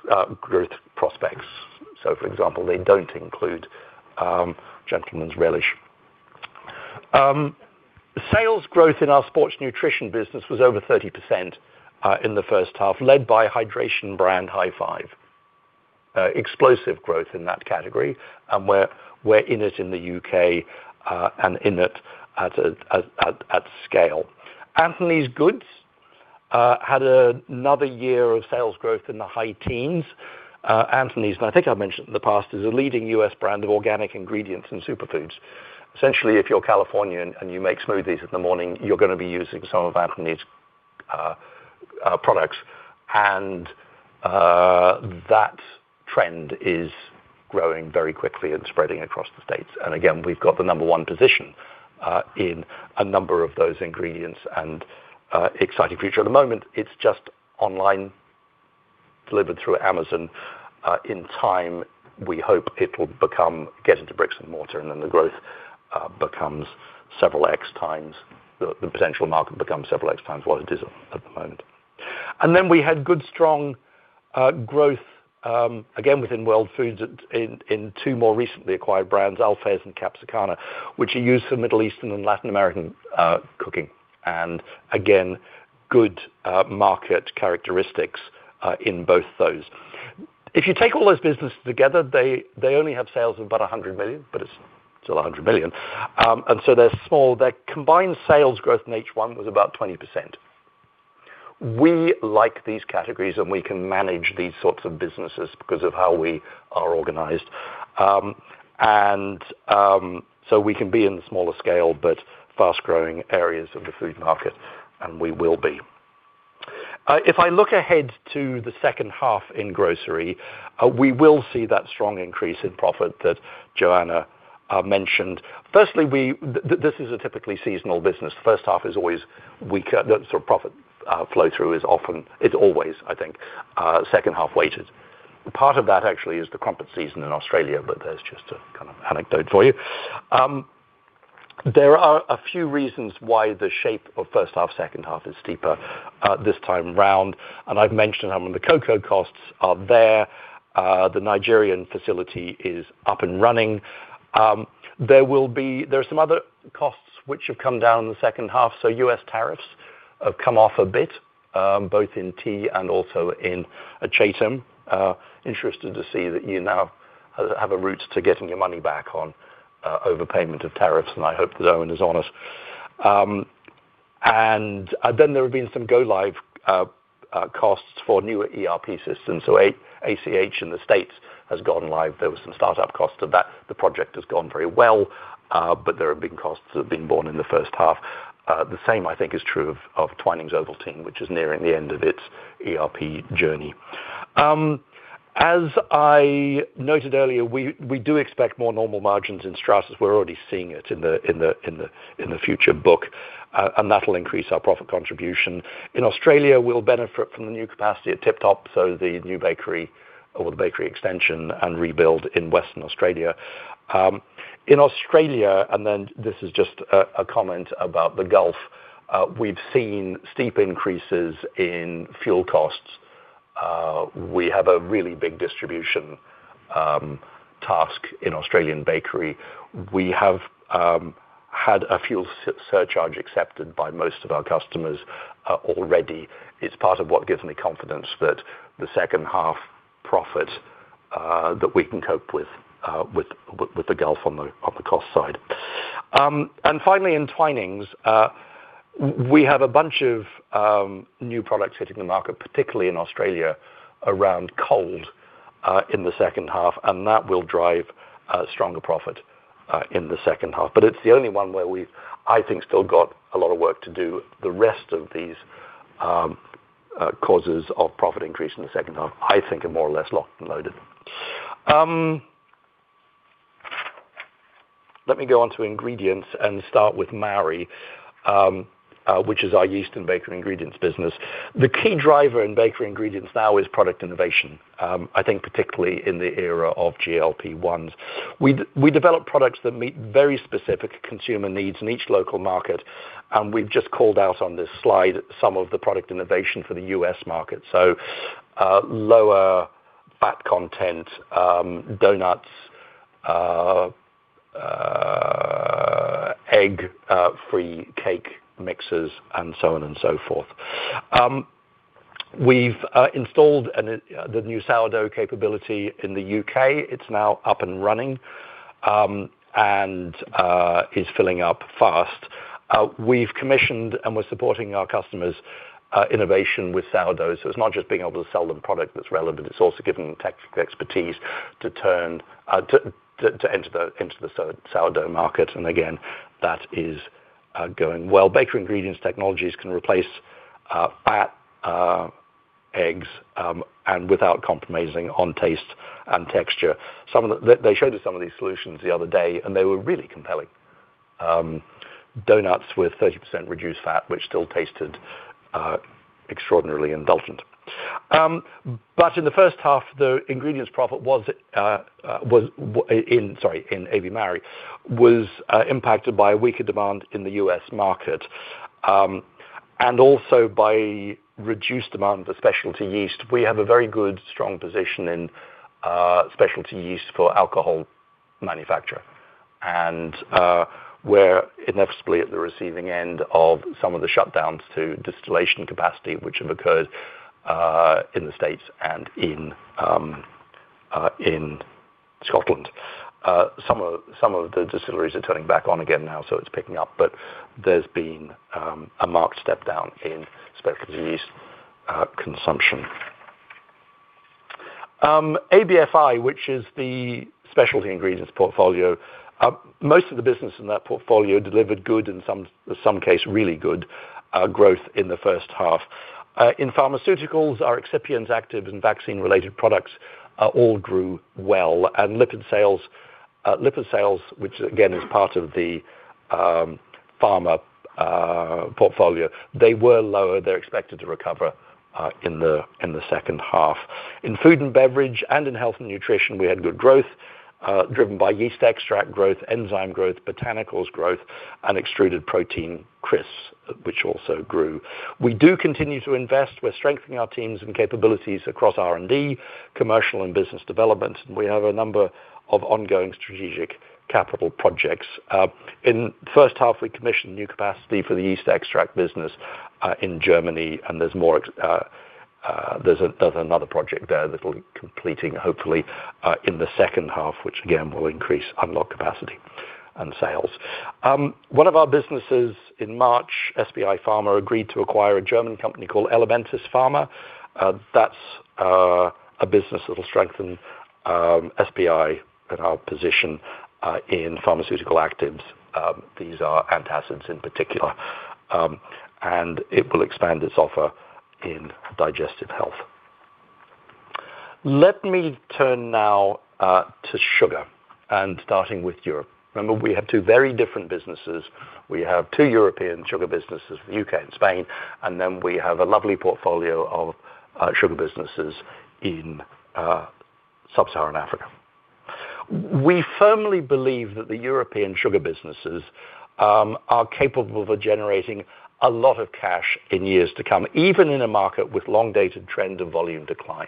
For example, they don't include Gentleman's Relish. Sales growth in our sports nutrition business was over 30% in the first half, led by hydration brand High5. Explosive growth in that category, and we're in it in the U.K. and in it at scale. Anthony's Goods had another year of sales growth in the high teens. Anthony's, and I think I've mentioned it in the past, is a leading U.S. brand of organic ingredients and superfoods. Essentially, if you're Californian and you make smoothies in the morning, you're going to be using some of Anthony's products. That trend is growing very quickly and spreading across the States. Again, we've got the number one position, in a number of those ingredients and exciting future. At the moment, it's just online, delivered through Amazon. In time, we hope it'll get into bricks and mortar and then the growth becomes several X times, the potential market becomes several X times what it is at the moment. Then we had good strong growth, again within World Foods in two more recently acquired brands, Al'Fez and Capsicana, which are used for Middle Eastern and Latin American cooking. Again, good market characteristics in both those. If you take all those businesses together, they only have sales of about 100 million, but it's still 100 million. They're small. Their combined sales growth in H1 was about 20%. We like these categories, and we can manage these sorts of businesses because of how we are organized. We can be in the smaller scale, but fast-growing areas of the food market, and we will be. If I look ahead to the second half in grocery, we will see that strong increase in profit that Joana mentioned. Firstly, this is a typically seasonal business. The first half is always weaker. The profit flow through is always, I think, second half weighted. Part of that actually is the crumpet season in Australia, but that's just a kind of anecdote for you. There are a few reasons why the shape of first half, second half is steeper this time round, and I've mentioned the cocoa costs are there. The Nigerian facility is up and running. There are some other costs which have come down in the second half. U.S. tariffs have come off a bit, both in tea and also in Chatham. Interested to see that you now have a route to getting your money back on overpayment of tariffs, and I hope that Eoin is on it. There have been some go live costs for newer ERP systems. ACH in the U.S. has gone live. There were some startup costs to that. The project has gone very well, but there have been costs that have been borne in the first half. The same, I think, is true of Twinings Ovaltine, which is nearing the end of its ERP journey. As I noted earlier, we do expect more normal margins in Stratas as we're already seeing it in the future book, and that'll increase our profit contribution. In Australia, we'll benefit from the new capacity at Tip Top, so the new bakery or the bakery extension and rebuild in Western Australia. In Australia, this is just a comment about the Gulf, we've seen steep increases in fuel costs. We have a really big distribution task in Australian bakery. We have had a fuel surcharge accepted by most of our customers already. It's part of what gives me confidence that the second half profit. That we can cope with the Gulf on the cost side. Finally, in Twinings, we have a bunch of new products hitting the market, particularly in Australia, around cold in the second half, and that will drive a stronger profit in the second half. It's the only one where we've, I think, still got a lot of work to do. The rest of these causes of profit increase in the second half, I think are more or less locked and loaded. Let me go on to ingredients and start with Mauri, which is our yeast and bakery ingredients business. The key driver in bakery ingredients now is product innovation, I think particularly in the era of GLP-1. We develop products that meet very specific consumer needs in each local market, and we've just called out on this slide some of the product innovation for the U.S. market. Lower fat content, donuts, egg-free cake mixes, and so on and so forth. We've installed the new sourdough capability in the U.K. It's now up and running, and is filling up fast. We've commissioned and we're supporting our customers' innovation with sourdough. It's not just being able to sell them product that's relevant, it's also giving them technical expertise to enter the sourdough market. Again, that is going well. Bakery ingredients technologies can replace fat, eggs, and without compromising on taste and texture. They showed us some of these solutions the other day, and they were really compelling. Donuts with 30% reduced fat, which still tasted extraordinarily indulgent. In the first half, the ingredients profit was in Mauri impacted by weaker demand in the U.S. market, and also by reduced demand for specialty yeast. We have a very good, strong position in specialty yeast for alcohol manufacture. We're inevitably at the receiving end of some of the shutdowns to distillation capacity, which have occurred, in the States and in Scotland. Some of the distilleries are turning back on again now, so it's picking up, but there's been a marked step down in specialty yeast consumption. ABFI, which is the specialty ingredients portfolio, most of the business in that portfolio delivered good, in some cases, really good, growth in the first half. In pharmaceuticals, our excipient, active, and vaccine related products all grew well. Lipid sales, which again is part of the pharma portfolio, they were lower. They're expected to recover in the second half. In food and beverage and in health and nutrition, we had good growth, driven by yeast extract growth, enzyme growth, botanicals growth, and extruded protein crisps, which also grew. We do continue to invest. We're strengthening our teams and capabilities across R&D, commercial and business development. We have a number of ongoing strategic capital projects. In the first half, we commissioned new capacity for the yeast extract business in Germany, and there's another project there that will be completing hopefully in the second half, which again, will increase unlock capacity and sales. One of our businesses in March, SPI Pharma, agreed to acquire a German company called Elementis Pharma. That's a business that'll strengthen SPI and our position in pharmaceutical actives. These are antacids in particular, and it will expand its offer in digestive health. Let me turn now to sugar, and starting with Europe. Remember, we have two very different businesses. We have two European sugar businesses with U.K. and Spain, and then we have a lovely portfolio of sugar businesses in sub-Saharan Africa. We firmly believe that the European sugar businesses are capable of generating a lot of cash in years to come, even in a market with long-dated trend and volume decline.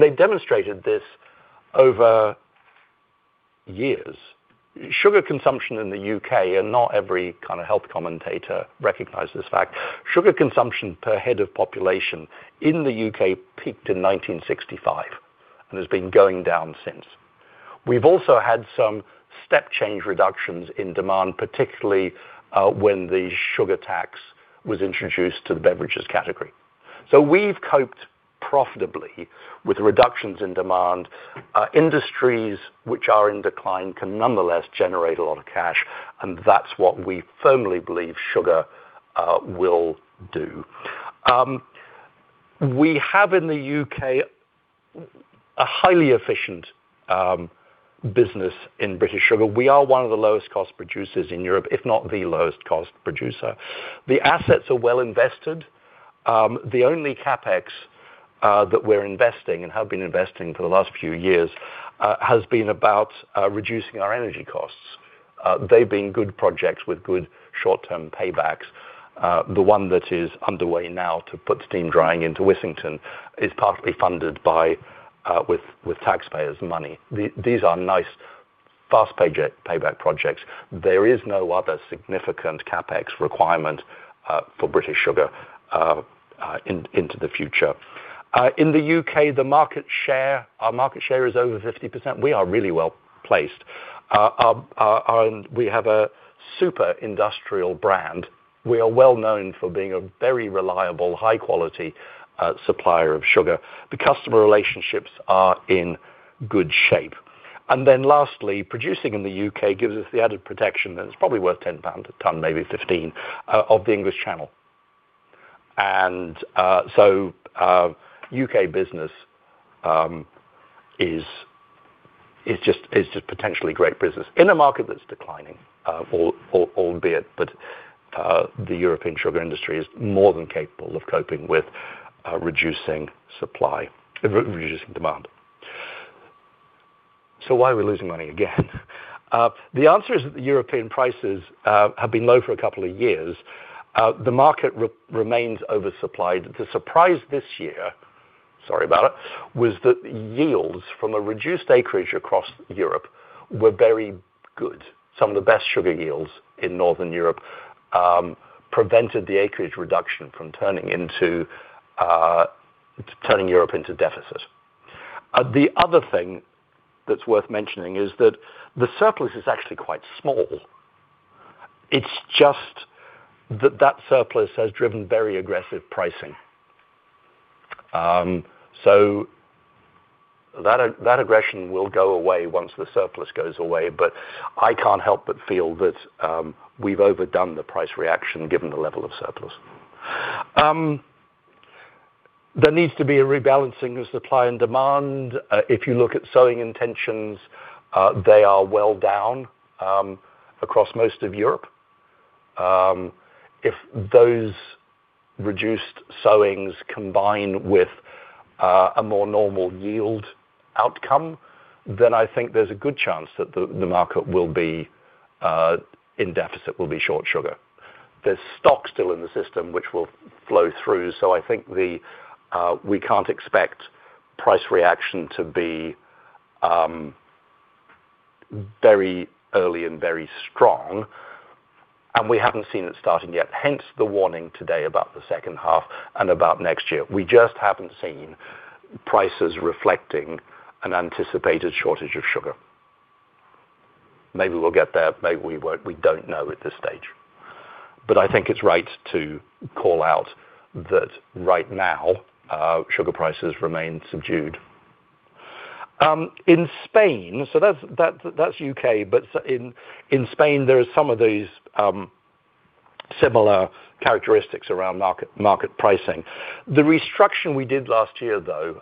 They demonstrated this over years. Sugar consumption in the U.K., and not every kind of health commentator recognizes this fact, sugar consumption per head of population in the U.K. peaked in 1965 and has been going down since. We've also had some step change reductions in demand, particularly when the sugar tax was introduced to the beverages category. We've coped profitably with reductions in demand. Industries which are in decline can nonetheless generate a lot of cash, and that's what we firmly believe sugar will do. We have in the U.K. a highly efficient business in British Sugar. We are one of the lowest cost producers in Europe, if not the lowest cost producer. The assets are well invested. The only CapEx, that we're investing and have been investing for the last few years, has been about reducing our energy costs. They've been good projects with good short-term paybacks. The one that is underway now to put steam drying into Wissington is partly funded with taxpayers' money. These are nice fast payback projects. There is no other significant CapEx requirement for British Sugar into the future. In the U.K., our market share is over 50%. We are really well-placed. We have a super industrial brand. We are well-known for being a very reliable, high-quality supplier of sugar. The customer relationships are in good shape. Then lastly, producing in the U.K. gives us the added protection, that it's probably worth 10 pounds a ton, maybe 15, of the English Channel. U.K. business is just potentially great business in a market that's declining, albeit that the European sugar industry is more than capable of coping with reducing demand. Why are we losing money again? The answer is that the European prices have been low for a couple of years. The market remains oversupplied. The surprise this year, sorry about it, was that yields from a reduced acreage across Europe were very good. Some of the best sugar yields in Northern Europe prevented the acreage reduction from turning Europe into deficit. The other thing that's worth mentioning is that the surplus is actually quite small. It's just that that surplus has driven very aggressive pricing. That aggression will go away once the surplus goes away, but I can't help but feel that we've overdone the price reaction given the level of surplus. There needs to be a rebalancing of supply and demand. If you look at sowing intentions, they are well down across most of Europe. If those reduced sowings combine with a more normal yield outcome, then I think there's a good chance that the market will be in deficit, will be short sugar. There's stock still in the system, which will flow through, so I think we can't expect price reaction to be very early and very strong, and we haven't seen it starting yet, hence the warning today about the second half and about next year. We just haven't seen prices reflecting an anticipated shortage of sugar. Maybe we'll get there, maybe we won't, we don't know at this stage. I think it's right to call out that right now, sugar prices remain subdued. In Spain, so that's U.K., but in Spain, there are some of these similar characteristics around market pricing. The restructure we did last year, though,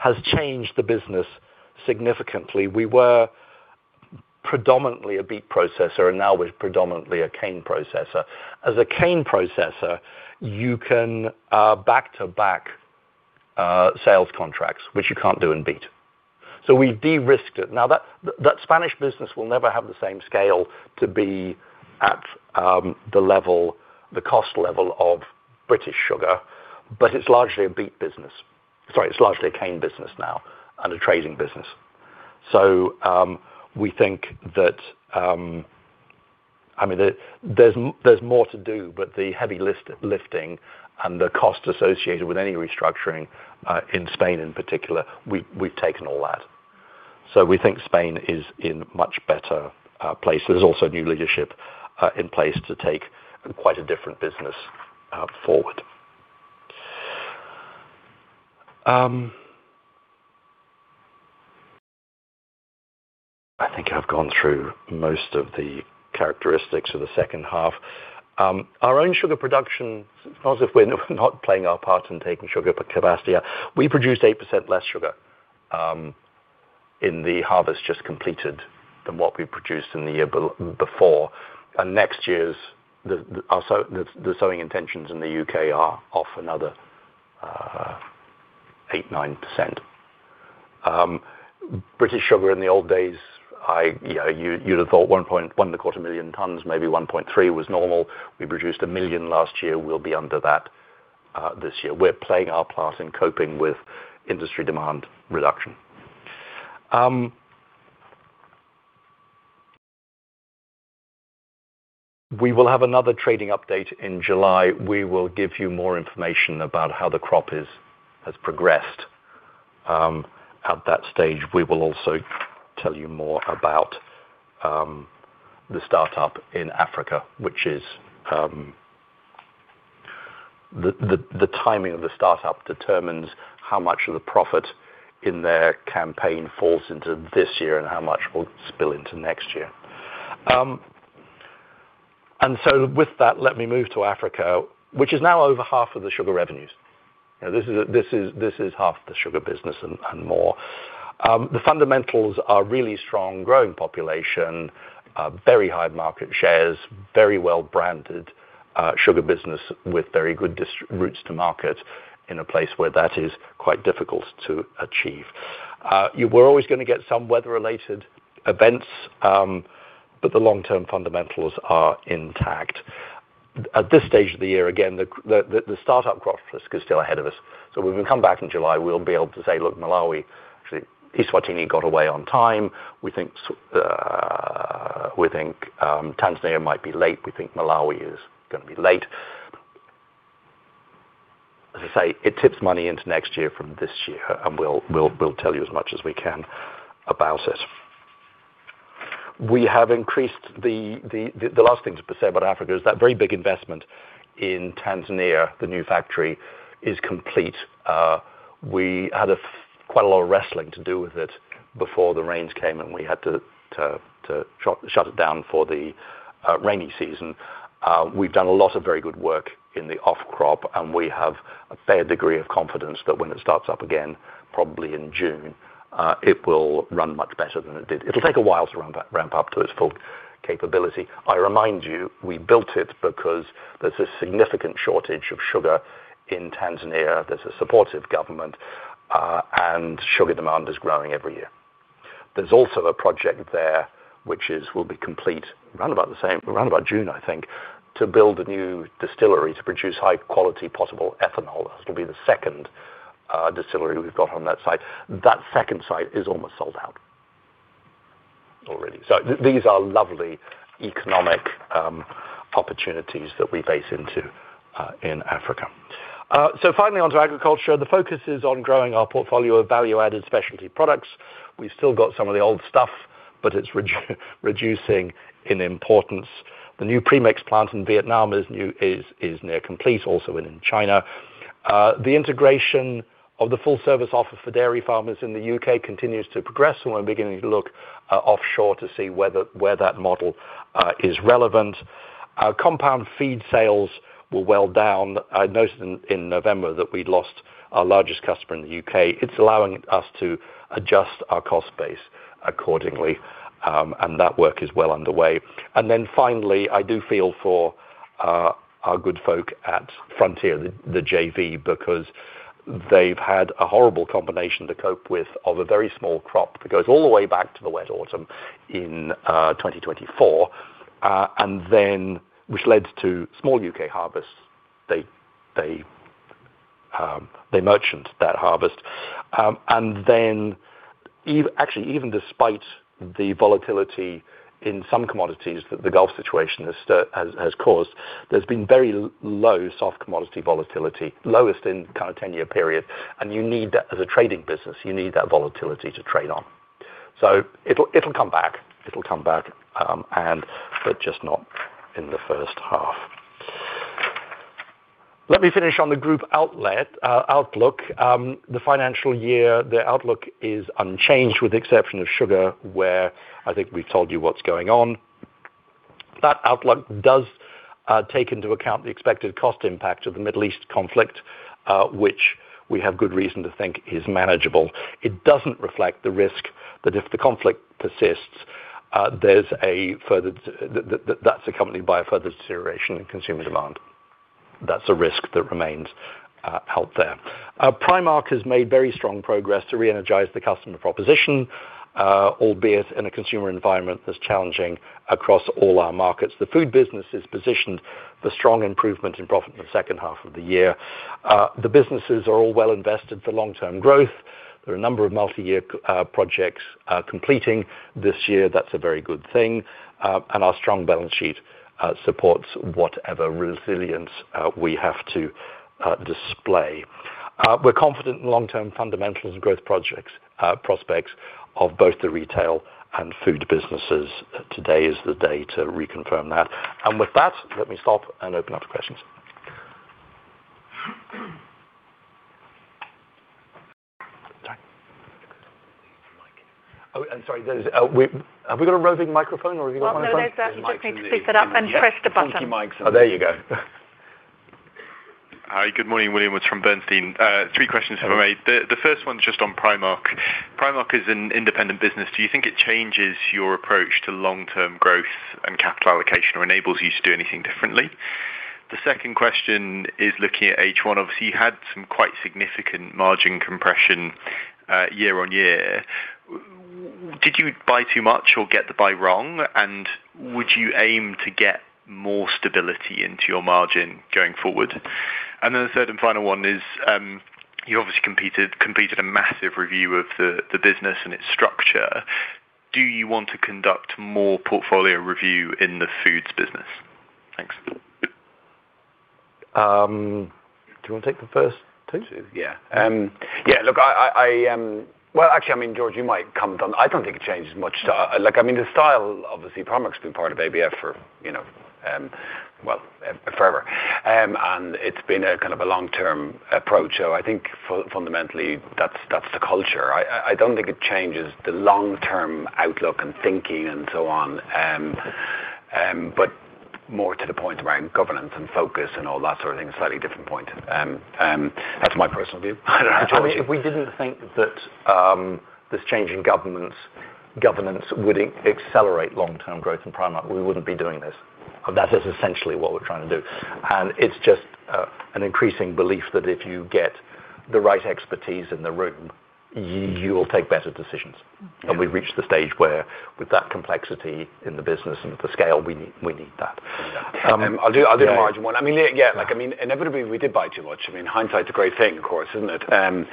has changed the business significantly. We were predominantly a beet processor and now we're predominantly a cane processor. As a cane processor, you can back-to-back sales contracts, which you can't do in beet. We de-risked it. Now, that Spanish business will never have the same scale to be at the cost level of British Sugar, but it's largely a beet business. Sorry, it's largely a cane business now and a trading business. We think that there's more to do, but the heavy lifting and the cost associated with any restructuring, in Spain in particular, we've taken all that. We think Spain is in much better place. There's also new leadership in place to take quite a different business forward. I think I've gone through most of the characteristics of the second half. Our own sugar production, as if we're not playing our part in taking sugar capacity, we produced 8% less sugar in the harvest just completed than what we produced in the year before. Next year's the sowing intentions in the U.K. are off another 8%-9%. British Sugar in the old days, you'd have thought 1.25 million tons, maybe 1.3 was normal. We produced 1 million last year, we'll be under that this year. We're playing our part in coping with industry demand reduction. We will have another trading update in July. We will give you more information about how the crop has progressed. At that stage, we will also tell you more about the startup in Africa. The timing of the startup determines how much of the profit in their campaign falls into this year and how much will spill into next year. With that, let me move to Africa, which is now over half of the sugar revenues. This is half the sugar business and more. The fundamentals are really strong, growing population, very high market shares, very well-branded sugar business with very good routes to market in a place where that is quite difficult to achieve. We're always going to get some weather-related events, but the long-term fundamentals are intact. At this stage of the year, again, the startup crop risk is still ahead of us, so when we come back in July, we'll be able to say, "Look, Malawi, actually, Eswatini got away on time. We think Tanzania might be late. We think Malawi is going to be late." As I say, it tips money into next year from this year, and we'll tell you as much as we can about it. The last thing to say about Africa is that very big investment in Tanzania, the new factory, is complete. We had quite a lot of wrestling to do with it before the rains came, and we had to shut it down for the rainy season. We've done a lot of very good work in the off-crop, and we have a fair degree of confidence that when it starts up again, probably in June, it will run much better than it did. It'll take a while to ramp up to its full capability. I remind you, we built it because there's a significant shortage of sugar in Tanzania. There's a supportive government, and sugar demand is growing every year. There's also a project there which will be complete around about June, I think, to build a new distillery to produce high quality potable ethanol. This will be the second distillery we've got on that site. That second site is almost sold out already. These are lovely economic opportunities that we tap into in Africa. Finally, on to agriculture. The focus is on growing our portfolio of value-added specialty products. We've still got some of the old stuff, but it's reducing in importance. The new premix plant in Vietnam is nearly complete, also in China. The integration of the full service offer for dairy farmers in the U.K. continues to progress, and we're beginning to look offshore to see where that model is relevant. Our compound feed sales were well down. I noted in November that we'd lost our largest customer in the U.K. It's allowing us to adjust our cost base accordingly, and that work is well underway. Then finally, I do feel for our good folk at Frontier, the JV, because they've had a horrible combination to cope with of a very small crop that goes all the way back to the wet autumn in 2024, which led to small U.K. harvests. They merchant that harvest. Actually, even despite the volatility in some commodities that the Gulf situation has caused, there's been very low soft commodity volatility, lowest in kind of 10-year period. As a trading business, you need that volatility to trade on. It'll come back. It'll come back, but just not in the first half. Let me finish on the group outlook. The financial year, the outlook is unchanged with the exception of sugar, where I think we've told you what's going on. That outlook does take into account the expected cost impact of the Middle East conflict, which we have good reason to think is manageable. It doesn't reflect the risk that if the conflict persists, that's accompanied by a further deterioration in consumer demand. That's a risk that remains out there. Primark has made very strong progress to reenergize the customer proposition, albeit in a consumer environment that's challenging across all our markets. The food business is positioned for strong improvement in profit in the second half of the year. The businesses are all well invested for long-term growth. There are a number of multi-year projects completing this year. That's a very good thing. Our strong balance sheet supports whatever resilience we have to display. We're confident in long-term fundamentals and growth prospects of both the retail and food businesses. Today is the day to reconfirm that. With that, let me stop and open up for questions. Oh, and sorry, have we got a roving microphone or have you got one of those? Oh, no, they just need to pick it up and press the button. Oh, there you go. Hi, good morning, William from Bernstein. Three questions if I may. The first one's just on Primark. Primark is an independent business. Do you think it changes your approach to long-term growth and capital allocation, or enables you to do anything differently? The second question is looking at H1. Obviously, you had some quite significant margin compression year-on-year. Did you buy too much or get the buy wrong? Would you aim to get more stability into your margin going forward? Then the third and final one is, you obviously completed a massive review of the business and its structure. Do you want to conduct more portfolio review in the foods business? Thanks. Do you want to take the first two? Yeah. Well, actually, George, you might comment on that. I don't think it changes much. The style, obviously, Primark's been part of ABF for, well, forever. It's been a kind of a long-term approach. I think fundamentally that's the culture. I don't think it changes the long-term outlook and thinking and so on. More to the point around governance and focus and all that sort of thing, a slightly different point. That's my personal view. If we didn't think that this change in governance would accelerate long-term growth in Primark, we wouldn't be doing this. That is essentially what we're trying to do. It's just an increasing belief that if you get the right expertise in the room, you will take better decisions. We've reached the stage where with that complexity in the business and the scale, we need that. I'll do the margin one. Inevitably, we did buy too much. Hindsight's a great thing, of course, isn't it? The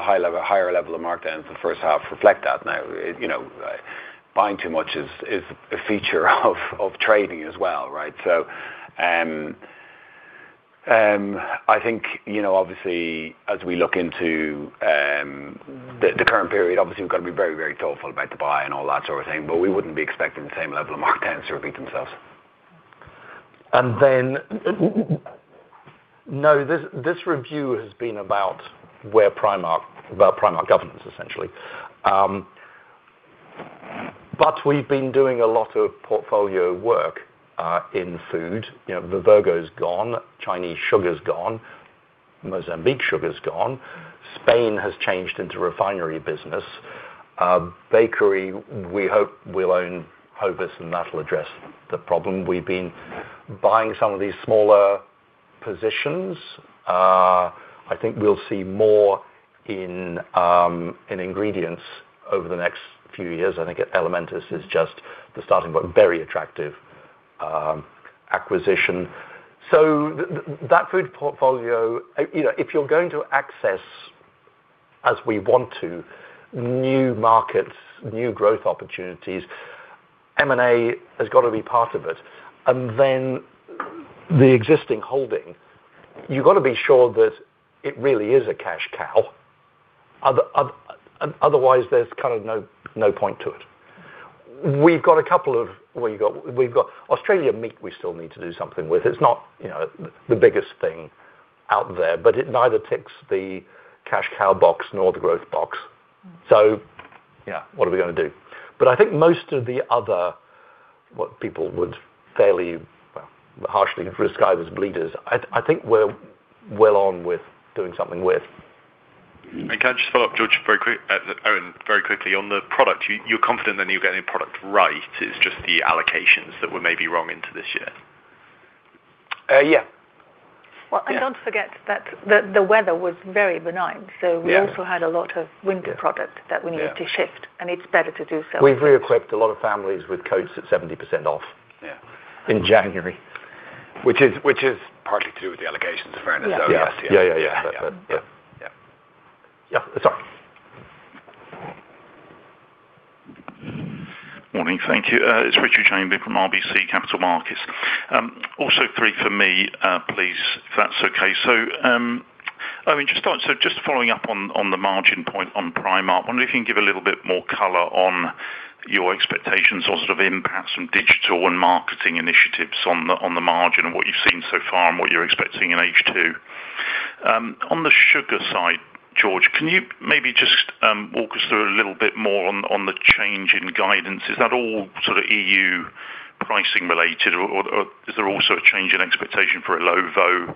higher level of markdowns in the first half reflect that. Buying too much is a feature of trading as well, right? I think, obviously, as we look into the current period, obviously, we've got to be very, very thoughtful about the buy and all that sort of thing, but we wouldn't be expecting the same level of markdowns to repeat themselves. No, this review has been about where Primark governance, essentially. We've been doing a lot of portfolio work in food. Vivergo is gone. Chinese sugar is gone. Mozambique sugar is gone. Spain has changed into refinery business. Bakery, we hope we'll own Hovis and that'll address the problem. We've been buying some of these smaller positions. I think we'll see more in ingredients over the next few years. I think Elementis is just the starting but very attractive acquisition. That food portfolio, if you're going to access, as we want to, new markets, new growth opportunities, M&A has got to be part of it. Then the existing holding, you've got to be sure that it really is a cash cow. Otherwise, there's kind of no point to it. We've got Don KRC we still need to do something with. It's not the biggest thing out there, but it neither ticks the cash cow box nor the growth box. Yeah, what are we going to do? I think most of the other, what people would fairly harshly describe as bleeders, I think we're well on with doing something with. Can I just follow up, George, very quick, Eoin, very quickly. On the product, you're confident that you're getting product right. It's just the allocations that were maybe wrong into this year? Yeah. Well, don't forget that the weather was very benign. Yeah. We also had a lot of winter product that we needed to shift, and it's better to do so. We've re-equipped a lot of families with coats at 70% off. Yeah. In January. Which is partly to do with the allocations, in fairness, though. Yeah. Yeah. Yeah. Sorry. Morning. Thank you. It's Richard Chamberlain from RBC Capital Markets. Also three for me, please, if that's okay. Just following up on the margin point on Primark. Wondering if you can give a little bit more color on your expectations or sort of impacts from digital and marketing initiatives on the margin and what you've seen so far and what you're expecting in H2. On the sugar side, George, can you maybe just walk us through a little bit more on the change in guidance? Is that all sort of EU pricing related, or is there also a change in expectation for Illovo?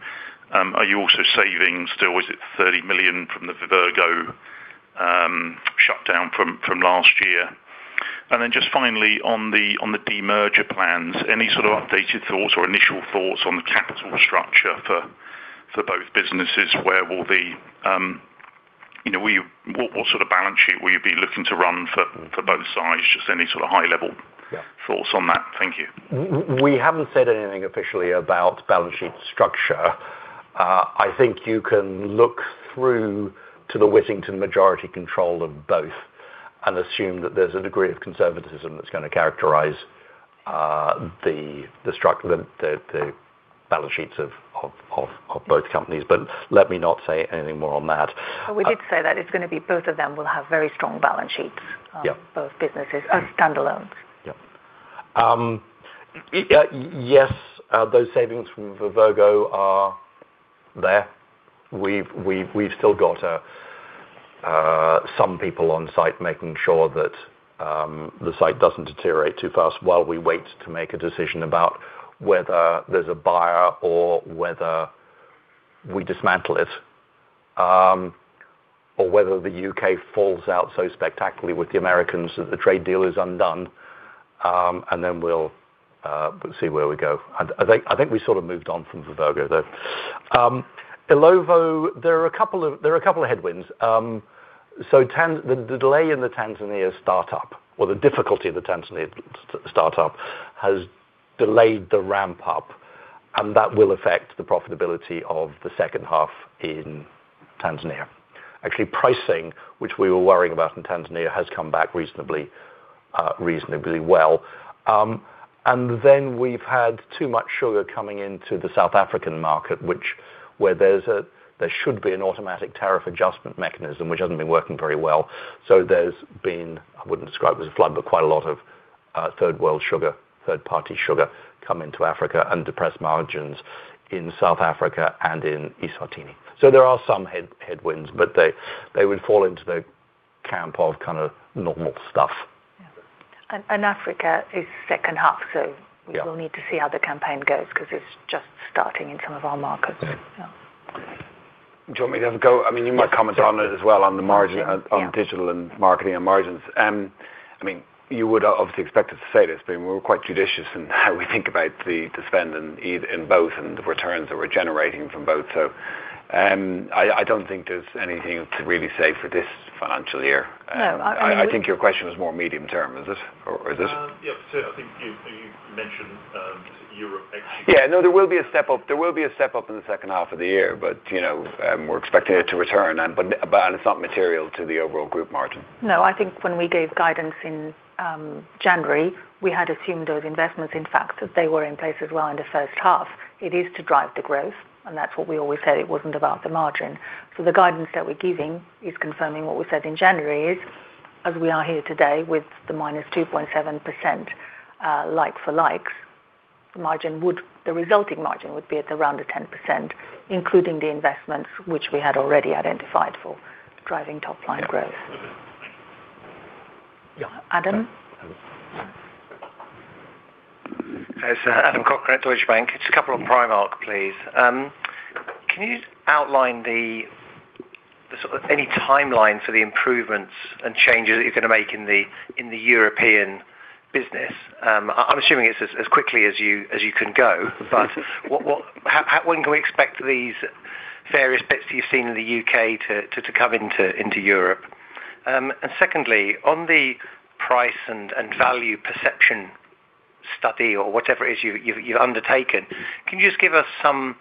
Are you also still saving, is it 30 million from the Vivergo shutdown from last year? Just finally on the demerger plans, any sort of updated thoughts or initial thoughts on the capital structure for both businesses? What sort of balance sheet will you be looking to run for both sides? Just any sort of high level thoughts on that. Thank you. We haven't said anything officially about balance sheet structure. I think you can look through to the Wittington majority control of both and assume that there's a degree of conservatism that's going to characterize the balance sheets of both companies. Let me not say anything more on that. We did say that it's going to be both of them will have very strong balance sheets. Yeah. Both businesses as standalones. Yeah. Yes, those savings from Vivergo are there. We've still got some people on site making sure that the site doesn't deteriorate too fast while we wait to make a decision about whether there's a buyer or whether we dismantle it, or whether the U.K. falls out so spectacularly with the Americans that the trade deal is undone, and then we'll see where we go. I think we sort of moved on from Vivergo, though. Illovo, there are a couple of headwinds. The delay in the Tanzania startup, or the difficulty of the Tanzania startup, has delayed the ramp up, and that will affect the profitability of the second half in Tanzania. Actually, pricing, which we were worrying about in Tanzania, has come back reasonably well. We've had too much sugar coming into the South African market, where there should be an automatic tariff adjustment mechanism, which hasn't been working very well. There's been, I wouldn't describe it as a flood, but quite a lot of third-world sugar, third-party sugar, come into Africa and depress margins in South Africa and in eSwatini. There are some headwinds, but they would fall into the camp of kind of normal stuff. Yeah. Africa is second half, so we will need to see how the campaign goes because it's just starting in some of our markets. Yeah. Do you want me to have a go? You might comment on it as well, on the margin on digital and marketing and margins. You would obviously expect us to say this, but we're quite judicious in how we think about the spend in both and the returns that we're generating from both. I don't think there's anything to really say for this financial year. No. I think your question is more medium term, is it? Or is it Yes. I think you mentioned just Europe actually. Yeah, no, there will be a step up in the second half of the year, but we're expecting it to return. It's not material to the overall group margin. No, I think when we gave guidance in January, we had assumed those investments, in fact, that they were in place as well in the first half. It is to drive the growth, and that's what we always said. It wasn't about the margin. The guidance that we're giving is confirming what we said in January. As we are here today with the -2.7% like-for-like, the resulting margin would be at around the 10%, including the investments which we had already identified for driving top line growth. Yeah. Adam? It's Adam Cochrane at Deutsche Bank. Just a couple on Primark, please. Can you just outline any timeline for the improvements and changes that you're going to make in the European business? I'm assuming it's as quickly as you can go, but when can we expect these various bits that you've seen in the U.K. to come into Europe? And secondly, on the price and value perception study or whatever it is you've undertaken, can you just give us some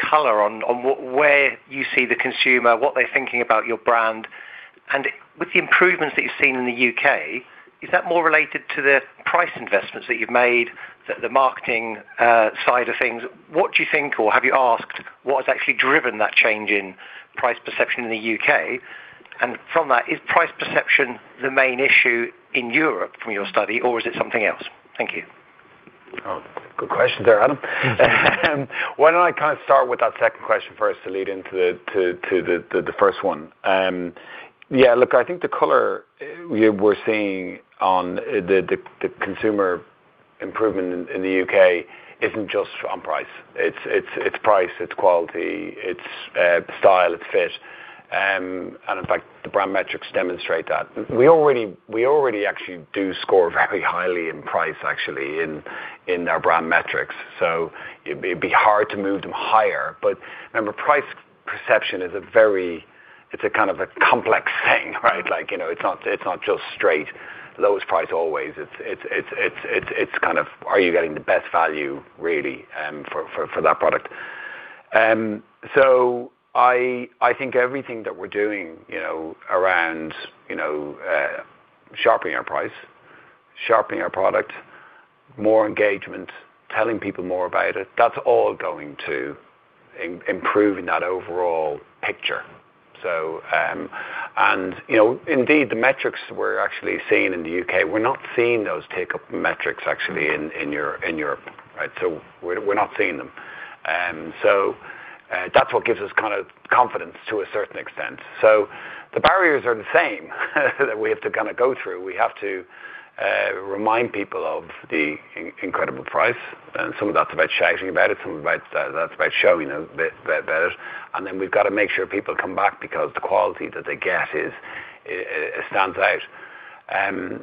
color on where you see the consumer, what they're thinking about your brand? And with the improvements that you've seen in the U.K., is that more related to the price investments that you've made, the marketing side of things? What do you think, or have you asked what has actually driven that change in price perception in the U.K.? From that, is price perception the main issue in Europe from your study, or is it something else? Thank you. Oh, good question there, Adam. Why don't I start with that second question first to lead into the first one. Look, I think the color we're seeing on the consumer improvement in the U.K. isn't just on price. It's price, it's quality, it's style, it's fit. In fact, the brand metrics demonstrate that. We already actually do score very highly in price, actually, in our brand metrics, so it'd be hard to move them higher. Remember, price perception, it's a kind of a complex thing, right? It's not just straight lowest price always. It's kind of, are you getting the best value really for that product? I think everything that we're doing around sharpening our price, sharpening our product, more engagement, telling people more about it, that's all going to improve in that overall picture. Indeed, the metrics we're actually seeing in the UK, we're not seeing those take-up metrics actually in Europe. We're not seeing them. That's what gives us confidence to a certain extent. The barriers are the same that we have to go through. We have to remind people of the incredible price, and some of that's about shouting about it, some of that's about showing a bit about it. Then we've got to make sure people come back because the quality that they get stands out.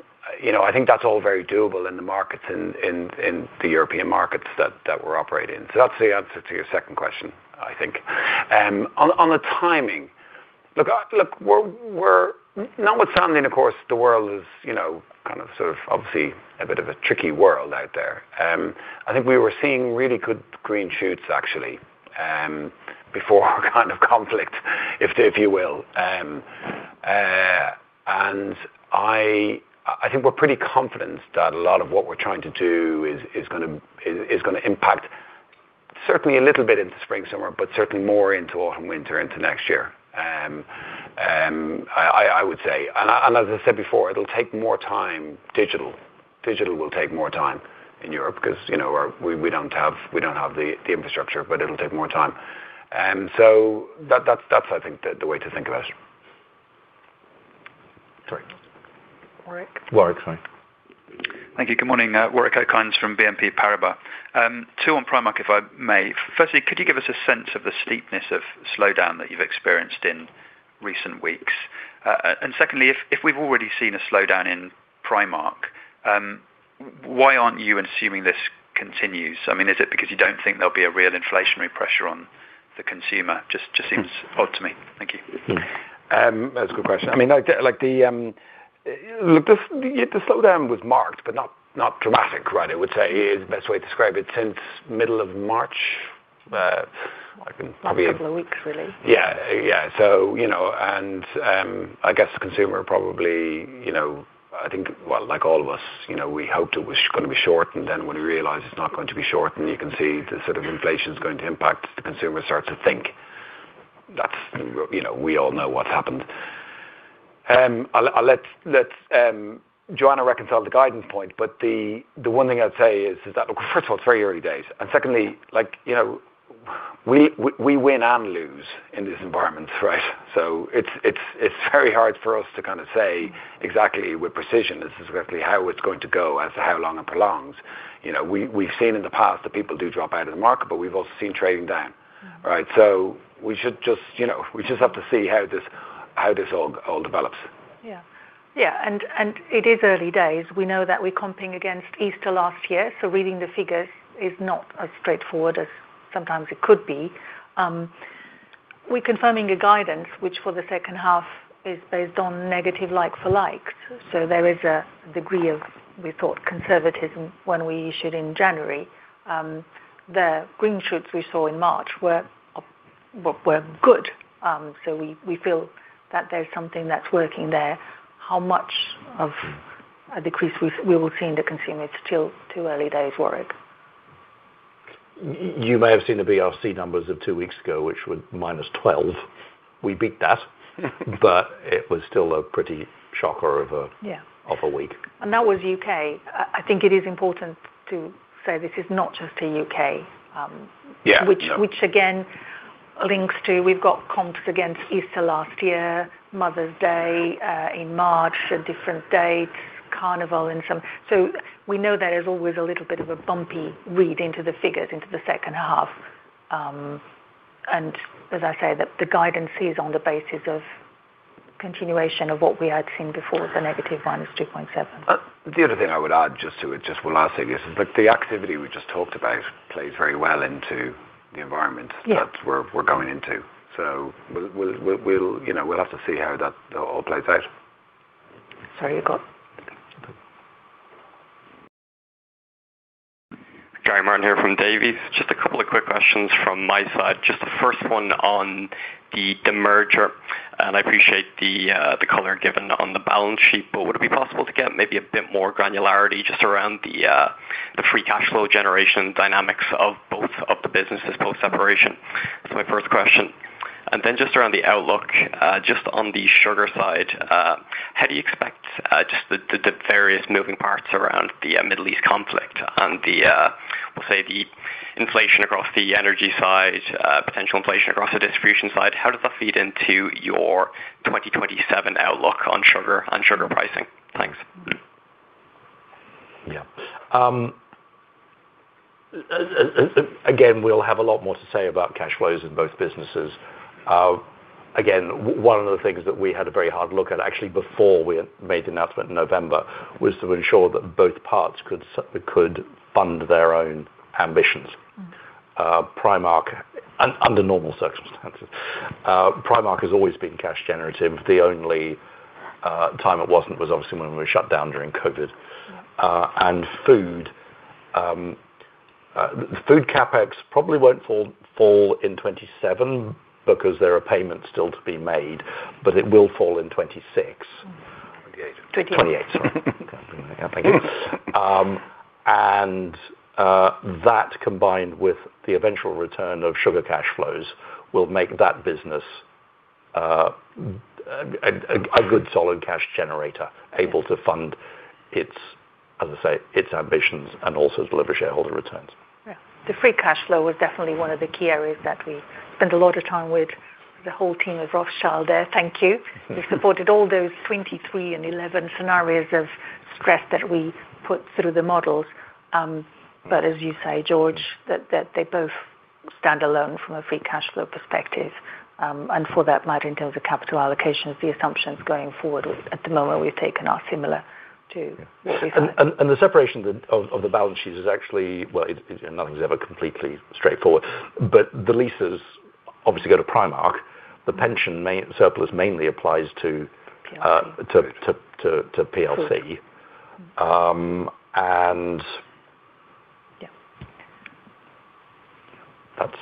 I think that's all very doable in the European markets that we operate in. That's the answer to your second question, I think. On the timing, notwithstanding of course, the world is obviously a bit of a tricky world out there. I think we were seeing really good green shoots, actually, before kind of conflict, if you will. I think we're pretty confident that a lot of what we're trying to do is going to impact certainly a little bit into spring/summer, but certainly more into autumn/winter, into next year, I would say. As I said before, it'll take more time. Digital will take more time in Europe because we don't have the infrastructure, but it'll take more time. That's, I think, the way to think of it. Sorry. Warwick. Warwick, sorry. Thank you. Good morning. Warwick Okines from BNP Paribas. Two on Primark, if I may. Firstly, could you give us a sense of the steepness of slowdown that you've experienced in recent weeks? Secondly, if we've already seen a slowdown in Primark, why aren't you assuming this continues? Is it because you don't think there'll be a real inflationary pressure on the consumer? Just seems odd to me. Thank you. That's a good question. The slowdown was marked but not dramatic, I would say, is the best way to describe it. Since middle of March, I can probably- Last couple of weeks, really. Yeah. I guess the consumer probably, I think, well, like all of us, we hoped it was going to be short. When we realized it's not going to be short, and you can see the inflation is going to impact, the consumer starts to think. We all know what's happened. I'll let Joana reconcile the guidance point. The one thing I'd say is that, look, first of all, it's very early days. Secondly, we win and lose in this environment, right? It's very hard for us to say exactly with precision specifically how it's going to go as to how long it prolongs. We've seen in the past that people do drop out of the market, but we've also seen trading down. All right. We just have to see how this all develops. Yeah. It is early days, we know that we're comping against Easter last year, so reading the figures is not as straightforward as sometimes it could be. We're confirming the guidance, which for the second half is based on negative like-for-likes. There is a degree of, we thought, conservatism when we issued in January. The green shoots we saw in March were good. We feel that there's something that's working there. How much of a decrease we will see in the consumer is still too early days, Warwick. You may have seen the BRC numbers of two weeks ago, which were -12%. We beat that, but it was still a pretty shocker. Yeah of a week. That was U.K. I think it is important to say this is not just the U.K. Yeah, no. Which again links to, we've got comps against Easter last year, Mother's Day in March, so different dates, Carnival. We know there is always a little bit of a bumpy read into the figures into the second half. As I say, the guidance is on the basis of continuation of what we had seen before, the -2.7%. The other thing I would add just to it, just while I say this, is like the activity we just talked about plays very well into the environment. Yeah... that we're going into. We'll have to see how that all plays out. Sorry, you got. Gary Martin here from Davy. Just a couple of quick questions from my side. Just the first one on the demerger, and I appreciate the color given on the balance sheet, but would it be possible to get maybe a bit more granularity just around the free cash flow generation dynamics of both of the businesses post-separation? That's my first question. Just around the outlook, just on the sugar side, how do you expect just the various moving parts around the Middle East conflict and the, we'll say the inflation across the energy side, potential inflation across the distribution side, how does that feed into your 2027 outlook on sugar and sugar pricing? Thanks. Yeah. We'll have a lot more to say about cash flows in both businesses. One of the things that we had a very hard look at actually before we made the announcement in November was to ensure that both parts could fund their own ambitions. Under normal circumstances, Primark has always been cash generative. The only time it wasn't was obviously when we were shut down during COVID and food. The food CapEx probably won't fall in 2027 because there are payments still to be made, but it will fall in 2026. 2028. 2028, sorry. Can't do the math again. That combined with the eventual return of sugar cash flows will make that business a good solid cash generator, able to fund its ambitions and also deliver shareholder returns. Yeah. The free cash flow was definitely one of the key areas that we spent a lot of time with the whole team of Rothschild there. Thank you. We supported all those 23 and 11 scenarios of stress that we put through the models. But as you say, George, that they both stand alone from a free cash flow perspective. For that matter, in terms of capital allocations, the assumptions going forward at the moment we've taken are similar to what we had. The separation of the balance sheets is actually, well, nothing's ever completely straightforward. The leases obviously go to Primark. The pension surplus mainly applies to- PLC to PLC. Yeah That's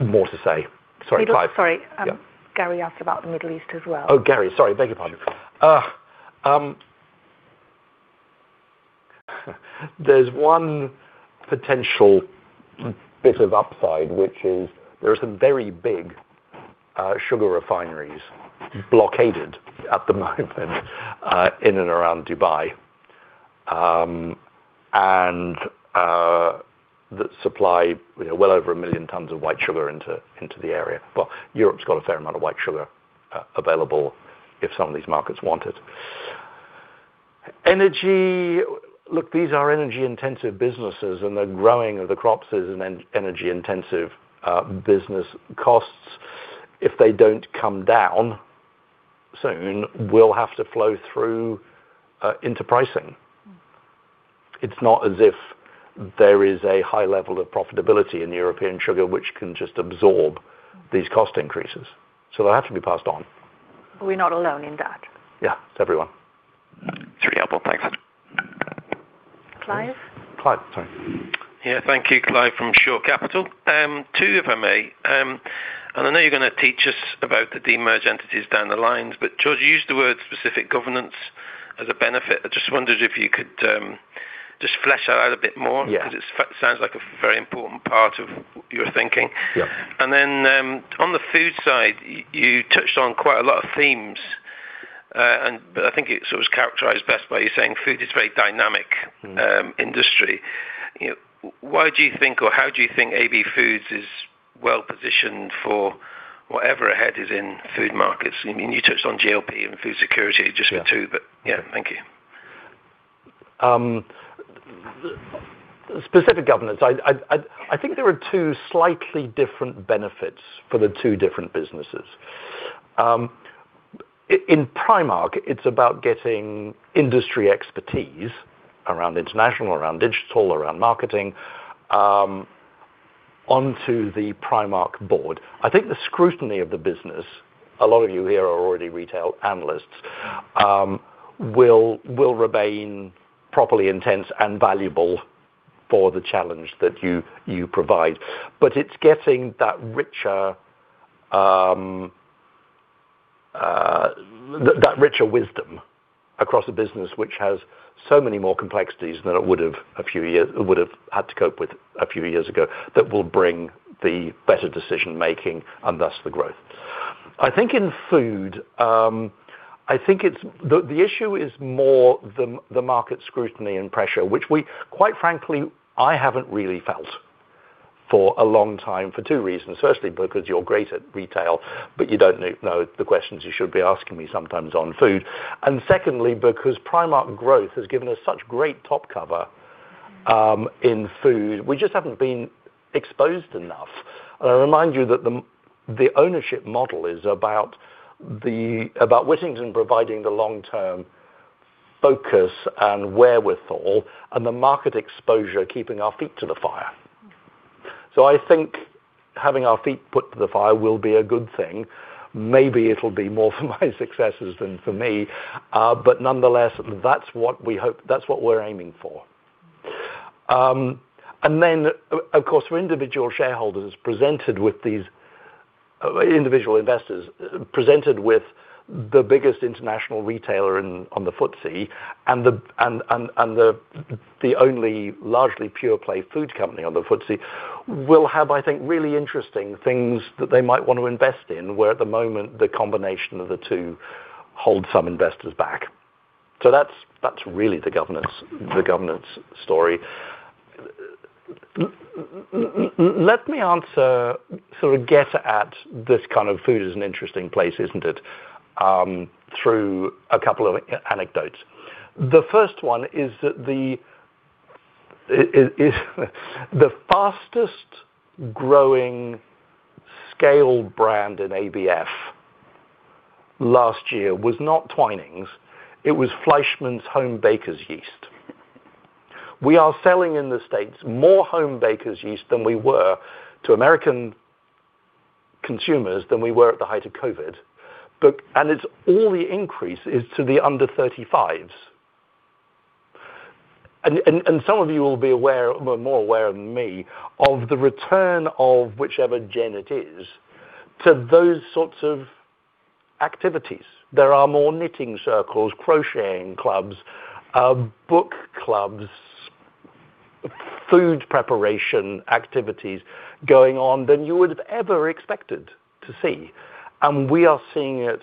more to say. Sorry, Clive. Sorry. Yep. Gary asked about the Middle East as well. Oh, Gary, sorry. Beg your pardon. There's one potential bit of upside, which is there are some very big sugar refineries blockaded at the moment in and around Dubai, that supply well over 1 million tons of white sugar into the area. Well, Europe's got a fair amount of white sugar available if some of these markets want it. Energy, look, these are energy intensive businesses and the growing of the crops is an energy intensive business. Costs, if they don't come down soon, will have to flow through into pricing. It's not as if there is a high level of profitability in European sugar, which can just absorb these cost increases. They'll have to be passed on. We're not alone in that. Yeah. It's everyone. It's really helpful. Thanks. Clive? Clive, sorry. Yeah. Thank you. Clive from Shore Capital. Two, if I may. I know you're going to teach us about the demerger entities down the lines, but George, you used the word specific governance as a benefit. I just wondered if you could just flesh it out a bit more. Yeah. Because it sounds like a very important part of your thinking. Yeah. Then, on the food side, you touched on quite a lot of themes. I think it sort of was characterized best by you saying food is a very dynamic industry. Why do you think or how do you think AB Foods is well positioned for whatever ahead is in food markets? You touched on GLP and food security just for two, but yeah. Thank you. Specific governance. I think there are two slightly different benefits for the two different businesses. In Primark, it's about getting industry expertise around international, around digital, around marketing, onto the Primark board. I think the scrutiny of the business, a lot of you here are already retail analysts, will remain properly intense and valuable for the challenge that you provide. It's getting that richer wisdom across a business which has so many more complexities than it would've had to cope with a few years ago, that will bring the better decision making and thus the growth. I think in food, the issue is more the market scrutiny and pressure, which we quite frankly, I haven't really felt for a long time for two reasons. Firstly, because you are great at retail, but you don't know the questions you should be asking me sometimes on food. Secondly, because Primark growth has given us such great top cover in food, we just haven't been exposed enough. I remind you that the ownership model is about Wittington providing the long-term focus and wherewithal and the market exposure, keeping our feet to the fire. I think having our feet put to the fire will be a good thing. Maybe it'll be more for my successors than for me. Nonetheless, that's what we hope, that's what we're aiming for. Then, of course, for individual investors presented with the biggest international retailer on the FTSE and the only largely pure play food company on the FTSE, will have, I think, really interesting things that they might want to invest in, where at the moment, the combination of the two hold some investors back. That's really the governance story. Let me answer, sort of get at this kind of food is an interesting place, isn't it, through a couple of anecdotes. The first one is the fastest growing scale brand in ABF last year was not Twinings, it was Fleischmann's home baker's yeast. We are selling in the States more home baker's yeast than we were to American consumers than we were at the height of COVID. It's all the increase is to the under 35s. Some of you will be more aware than me of the return of whichever gen it is to those sorts of activities. There are more knitting circles, crocheting clubs, book clubs, food preparation activities going on than you would've ever expected to see. We are seeing it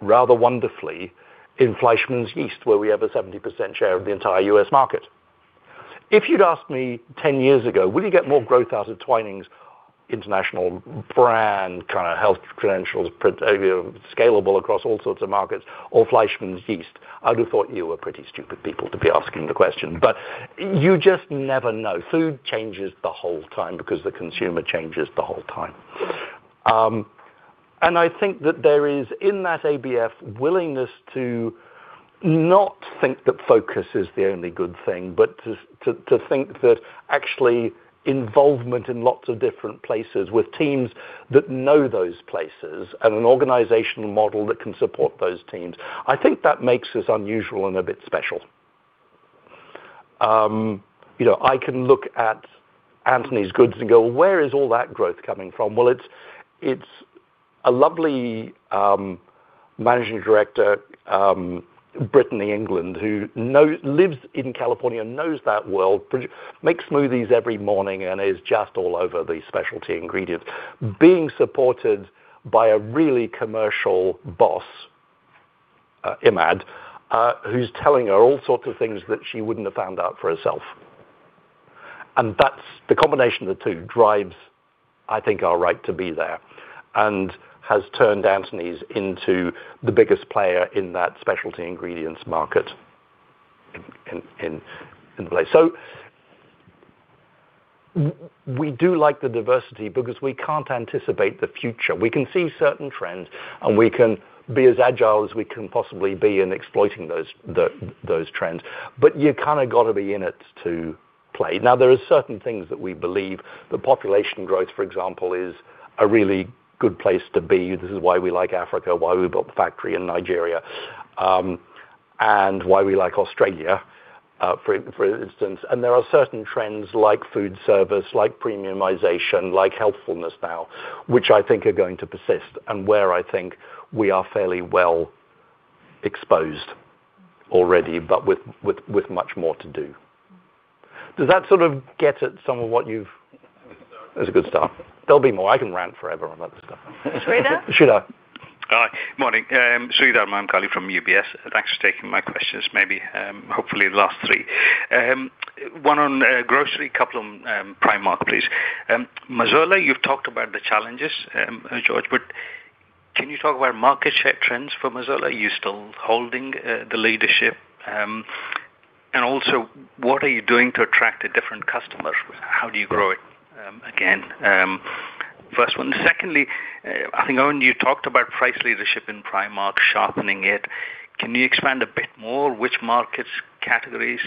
rather wonderfully in Fleischmann's Yeast, where we have a 70% share of the entire U.S. market. If you'd asked me 10 years ago, would you get more growth out of Twinings international brand, kind of health credentials, scalable across all sorts of markets or Fleischmann's Yeast? I'd have thought you were pretty stupid people to be asking the question, but you just never know. Food changes the whole time because the consumer changes the whole time. I think that there is, in that ABF, willingness to not think that focus is the only good thing, but to think that actually involvement in lots of different places with teams that know those places and an organizational model that can support those teams, I think that makes us unusual and a bit special. I can look at Anthony's Goods and go, "Where is all that growth coming from?" Well, it's a lovely Managing Director, Brittany England, who lives in California, knows that world, makes smoothies every morning, and is just all over the specialty ingredients, being supported by a really commercial boss, Imad, who's telling her all sorts of things that she wouldn't have found out for herself. The combination of the two drives, I think, our right to be there and has turned Anthony's into the biggest player in that specialty ingredients market in play. We do like the diversity because we can't anticipate the future. We can see certain trends, and we can be as agile as we can possibly be in exploiting those trends. You kind of got to be in it to play. Now, there are certain things that we believe the population growth, for example, is a really good place to be. This is why we like Africa, why we built the factory in Nigeria. Why we like Australia, for instance. There are certain trends like food service, like premiumization, like healthfulness now, which I think are going to persist and where I think we are fairly well exposed already, but with much more to do. Does that sort of get at some of what you've- That's a good start. There'll be more. I can rant forever on about this stuff. Sreedhar? Sreedhar. Hi. Morning. Sreedhar Mahamkali from UBS. Thanks for taking my questions. Maybe, hopefully the last three. One on grocery, couple on Primark, please. Mazola, you've talked about the challenges, George, but can you talk about market share trends for Mazola? Are you still holding the leadership? What are you doing to attract a different customer? How do you grow it, again? First one. Secondly, I think, Eoin, you talked about price leadership in Primark, sharpening it. Can you expand a bit more? Which markets, categories?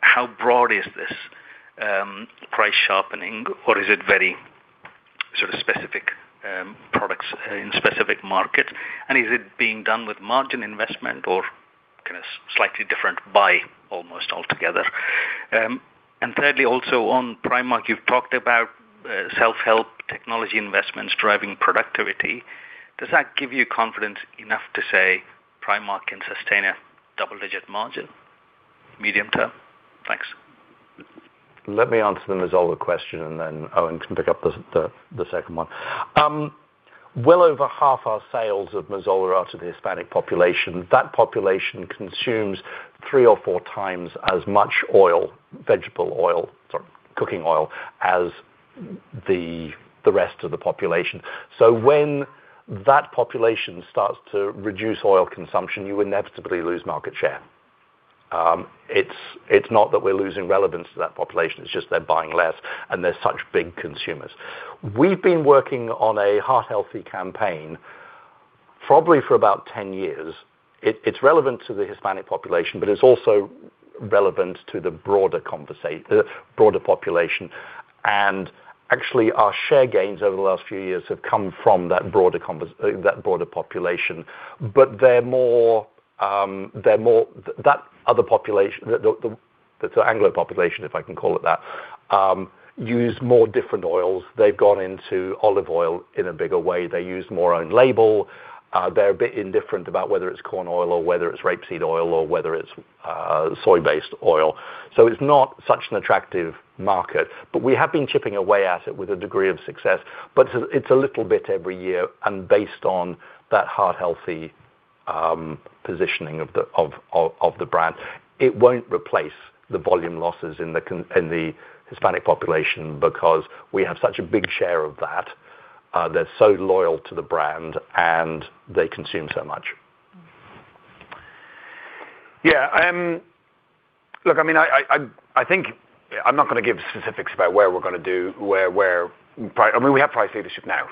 How broad is this price sharpening? Or is it very specific products in specific markets, and is it being done with margin investment or kind of slightly different buy almost altogether? Thirdly, also on Primark, you've talked about self-checkout technology investments driving productivity. Does that give you confidence enough to say Primark can sustain a double-digit margin medium term? Thanks. Let me answer the Mazola question and then Eoin can pick up the second one. Well over half our sales of Mazola are to the Hispanic population. That population consumes three or four times as much oil, vegetable oil, sorry, cooking oil, as the rest of the population. When that population starts to reduce oil consumption, you inevitably lose market share. It's not that we're losing relevance to that population, it's just they're buying less and they're such big consumers. We've been working on a heart healthy campaign probably for about 10 years. It's relevant to the Hispanic population, but it's also relevant to the broader population. Actually, our share gains over the last few years have come from that broader population. That other population, the Anglo population, if I can call it that, use more different oils. They've gone into olive oil in a bigger way. They use more own label. They're a bit indifferent about whether it's corn oil or whether it's rapeseed oil or whether it's soy-based oil. It's not such an attractive market, but we have been chipping away at it with a degree of success. It's a little bit every year and based on that heart healthy positioning of the brand. It won't replace the volume losses in the Hispanic population because we have such a big share of that. They're so loyal to the brand and they consume so much. Yeah. Look, I'm not going to give specifics. We have price leadership now.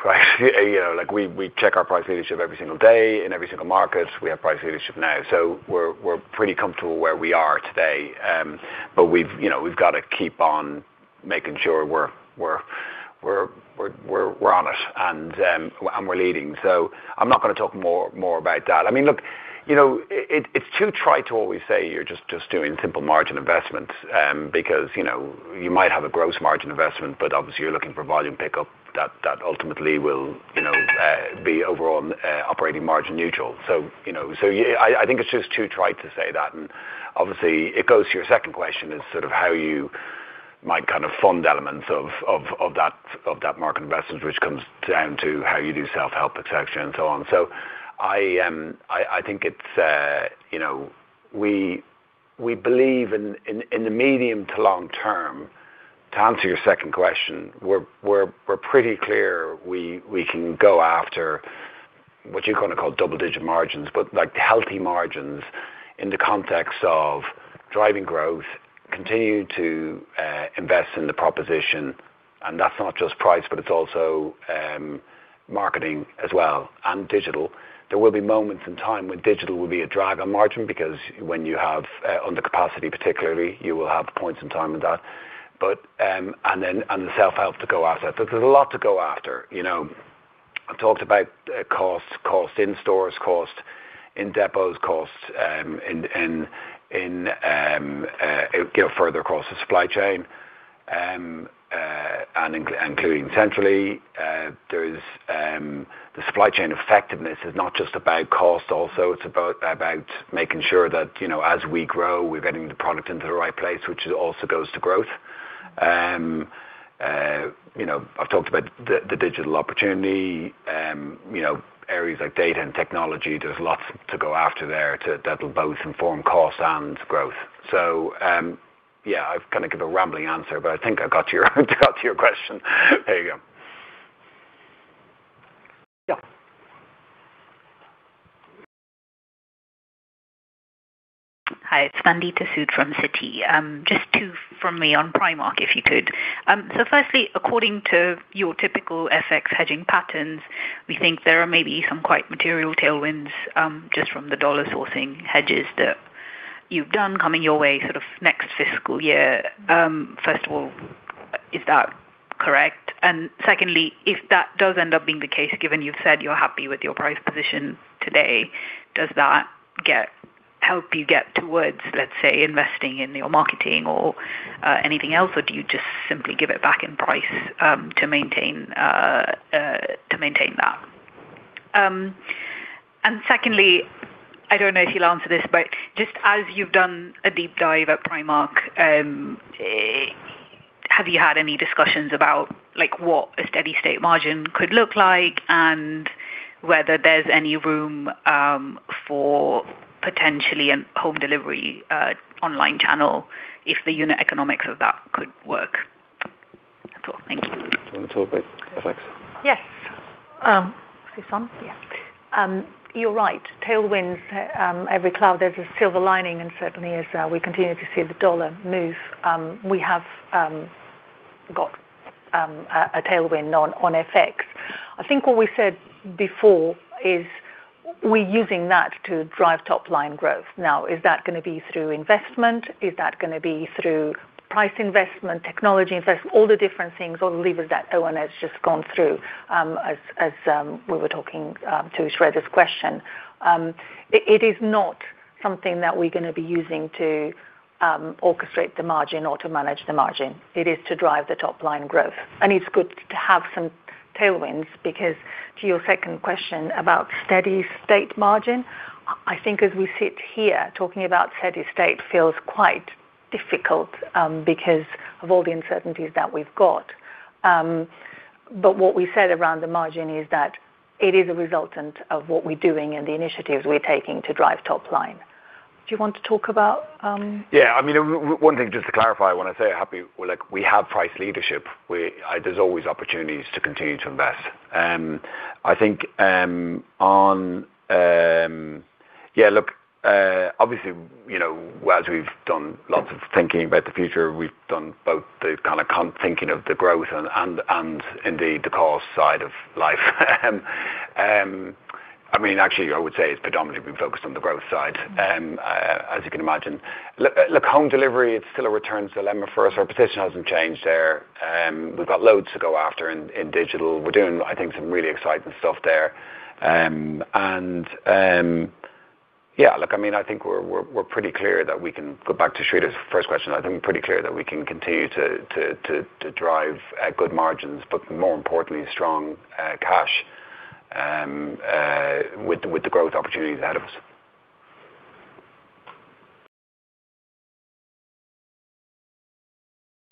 We check our price leadership every single day in every single market. We have price leadership now, so we're pretty comfortable where we are today. We've got to keep on making sure we're on it, and we're leading. I'm not going to talk more about that. Look, it's too trite to always say you're just doing simple margin investments, because you might have a gross margin investment, but obviously you're looking for volume pickup that ultimately will be overall operating margin neutral. I think it's just too trite to say that, and obviously it goes to your second question, is sort of how you might kind of fund elements of that market investment, which comes down to how you do self-help et cetera and so on. We believe in the medium to long term, to answer your second question, we're pretty clear we can go after what you're going to call double digit margins, but healthy margins in the context of driving growth, continue to invest in the proposition, and that's not just price but it's also marketing as well, and digital. There will be moments in time when digital will be a drag on margin because when you have under capacity particularly, you will have points in time with that. The self-help to go after. There's a lot to go after. I talked about costs in stores, costs in depots, costs further across the supply chain, including centrally. The supply chain effectiveness is not just about cost also, it's about making sure that as we grow, we're getting the product into the right place, which also goes to growth. I've talked about the digital opportunity, areas like data and technology. There's lots to go after there that'll both inform cost and growth. Yeah, I've kind of give a rambling answer, but I think I got to your question. There you go. Yeah. Hi, it's Vandita Sood from Citi. Just two from me on Primark, if you could. Firstly, according to your typical FX hedging patterns, we think there are maybe some quite material tailwinds, just from the dollar sourcing hedges that you've done coming your way sort of next fiscal year. First of all, is that correct? Secondly, if that does end up being the case, given you've said you're happy with your price position today, does that help you get towards, let's say, investing in your marketing or anything else, or do you just simply give it back in price to maintain that? Secondly, I don't know if you'll answer this, but just as you've done a deep dive at Primark, have you had any discussions about what a steady state margin could look like and whether there's any room for potentially a home delivery online channel if the unit economics of that could work? Sure. Thank you. Do you want to talk about FX? Yes. Is this on? Yeah. You're right. Tailwinds, every cloud there's a silver lining and certainly as we continue to see the dollar move, we have got a tailwind on FX. I think what we said before is we're using that to drive top-line growth. Now, is that going to be through investment? Is that going to be through price investment, technology investment, all the different things, all the levers that Eoin has just gone through, as we were talking to Sreedhar's question. It is not something that we're going to be using to orchestrate the margin or to manage the margin. It is to drive the top-line growth. It's good to have some tailwinds because to your second question about steady state margin, I think as we sit here talking about steady state feels quite difficult because of all the uncertainties that we've got. What we said around the margin is that it is a resultant of what we're doing and the initiatives we're taking to drive top line. Do you want to talk about- Yeah. One thing just to clarify, when I say happy, we have price leadership. There's always opportunities to continue to invest. Obviously, as we've done lots of thinking about the future, we've done both the kind of thinking of the growth and indeed the cost side of life. Actually, I would say it's predominantly been focused on the growth side as you can imagine. Look, home delivery, it's still a return dilemma for us. Our position hasn't changed there. We've got loads to go after in digital. We're doing, I think, some really exciting stuff there. I think we're pretty clear that we can go back to Sreedhar's first question. I think I'm pretty clear that we can continue to drive good margins, but more importantly, strong cash with the growth opportunities ahead of us.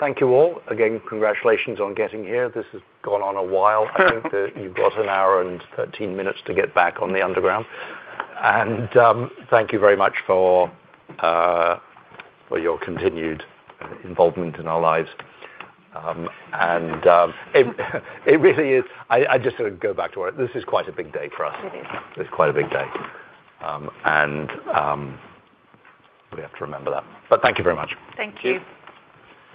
Thank you all. Again, congratulations on getting here. This has gone on a while. I think that you've got one hour and 13 minutes to get back on the Underground. Thank you very much for your continued involvement in our lives. I just sort of go back to where this is quite a big day for us. It is. It's quite a big day. We have to remember that. Thank you very much. Thank you.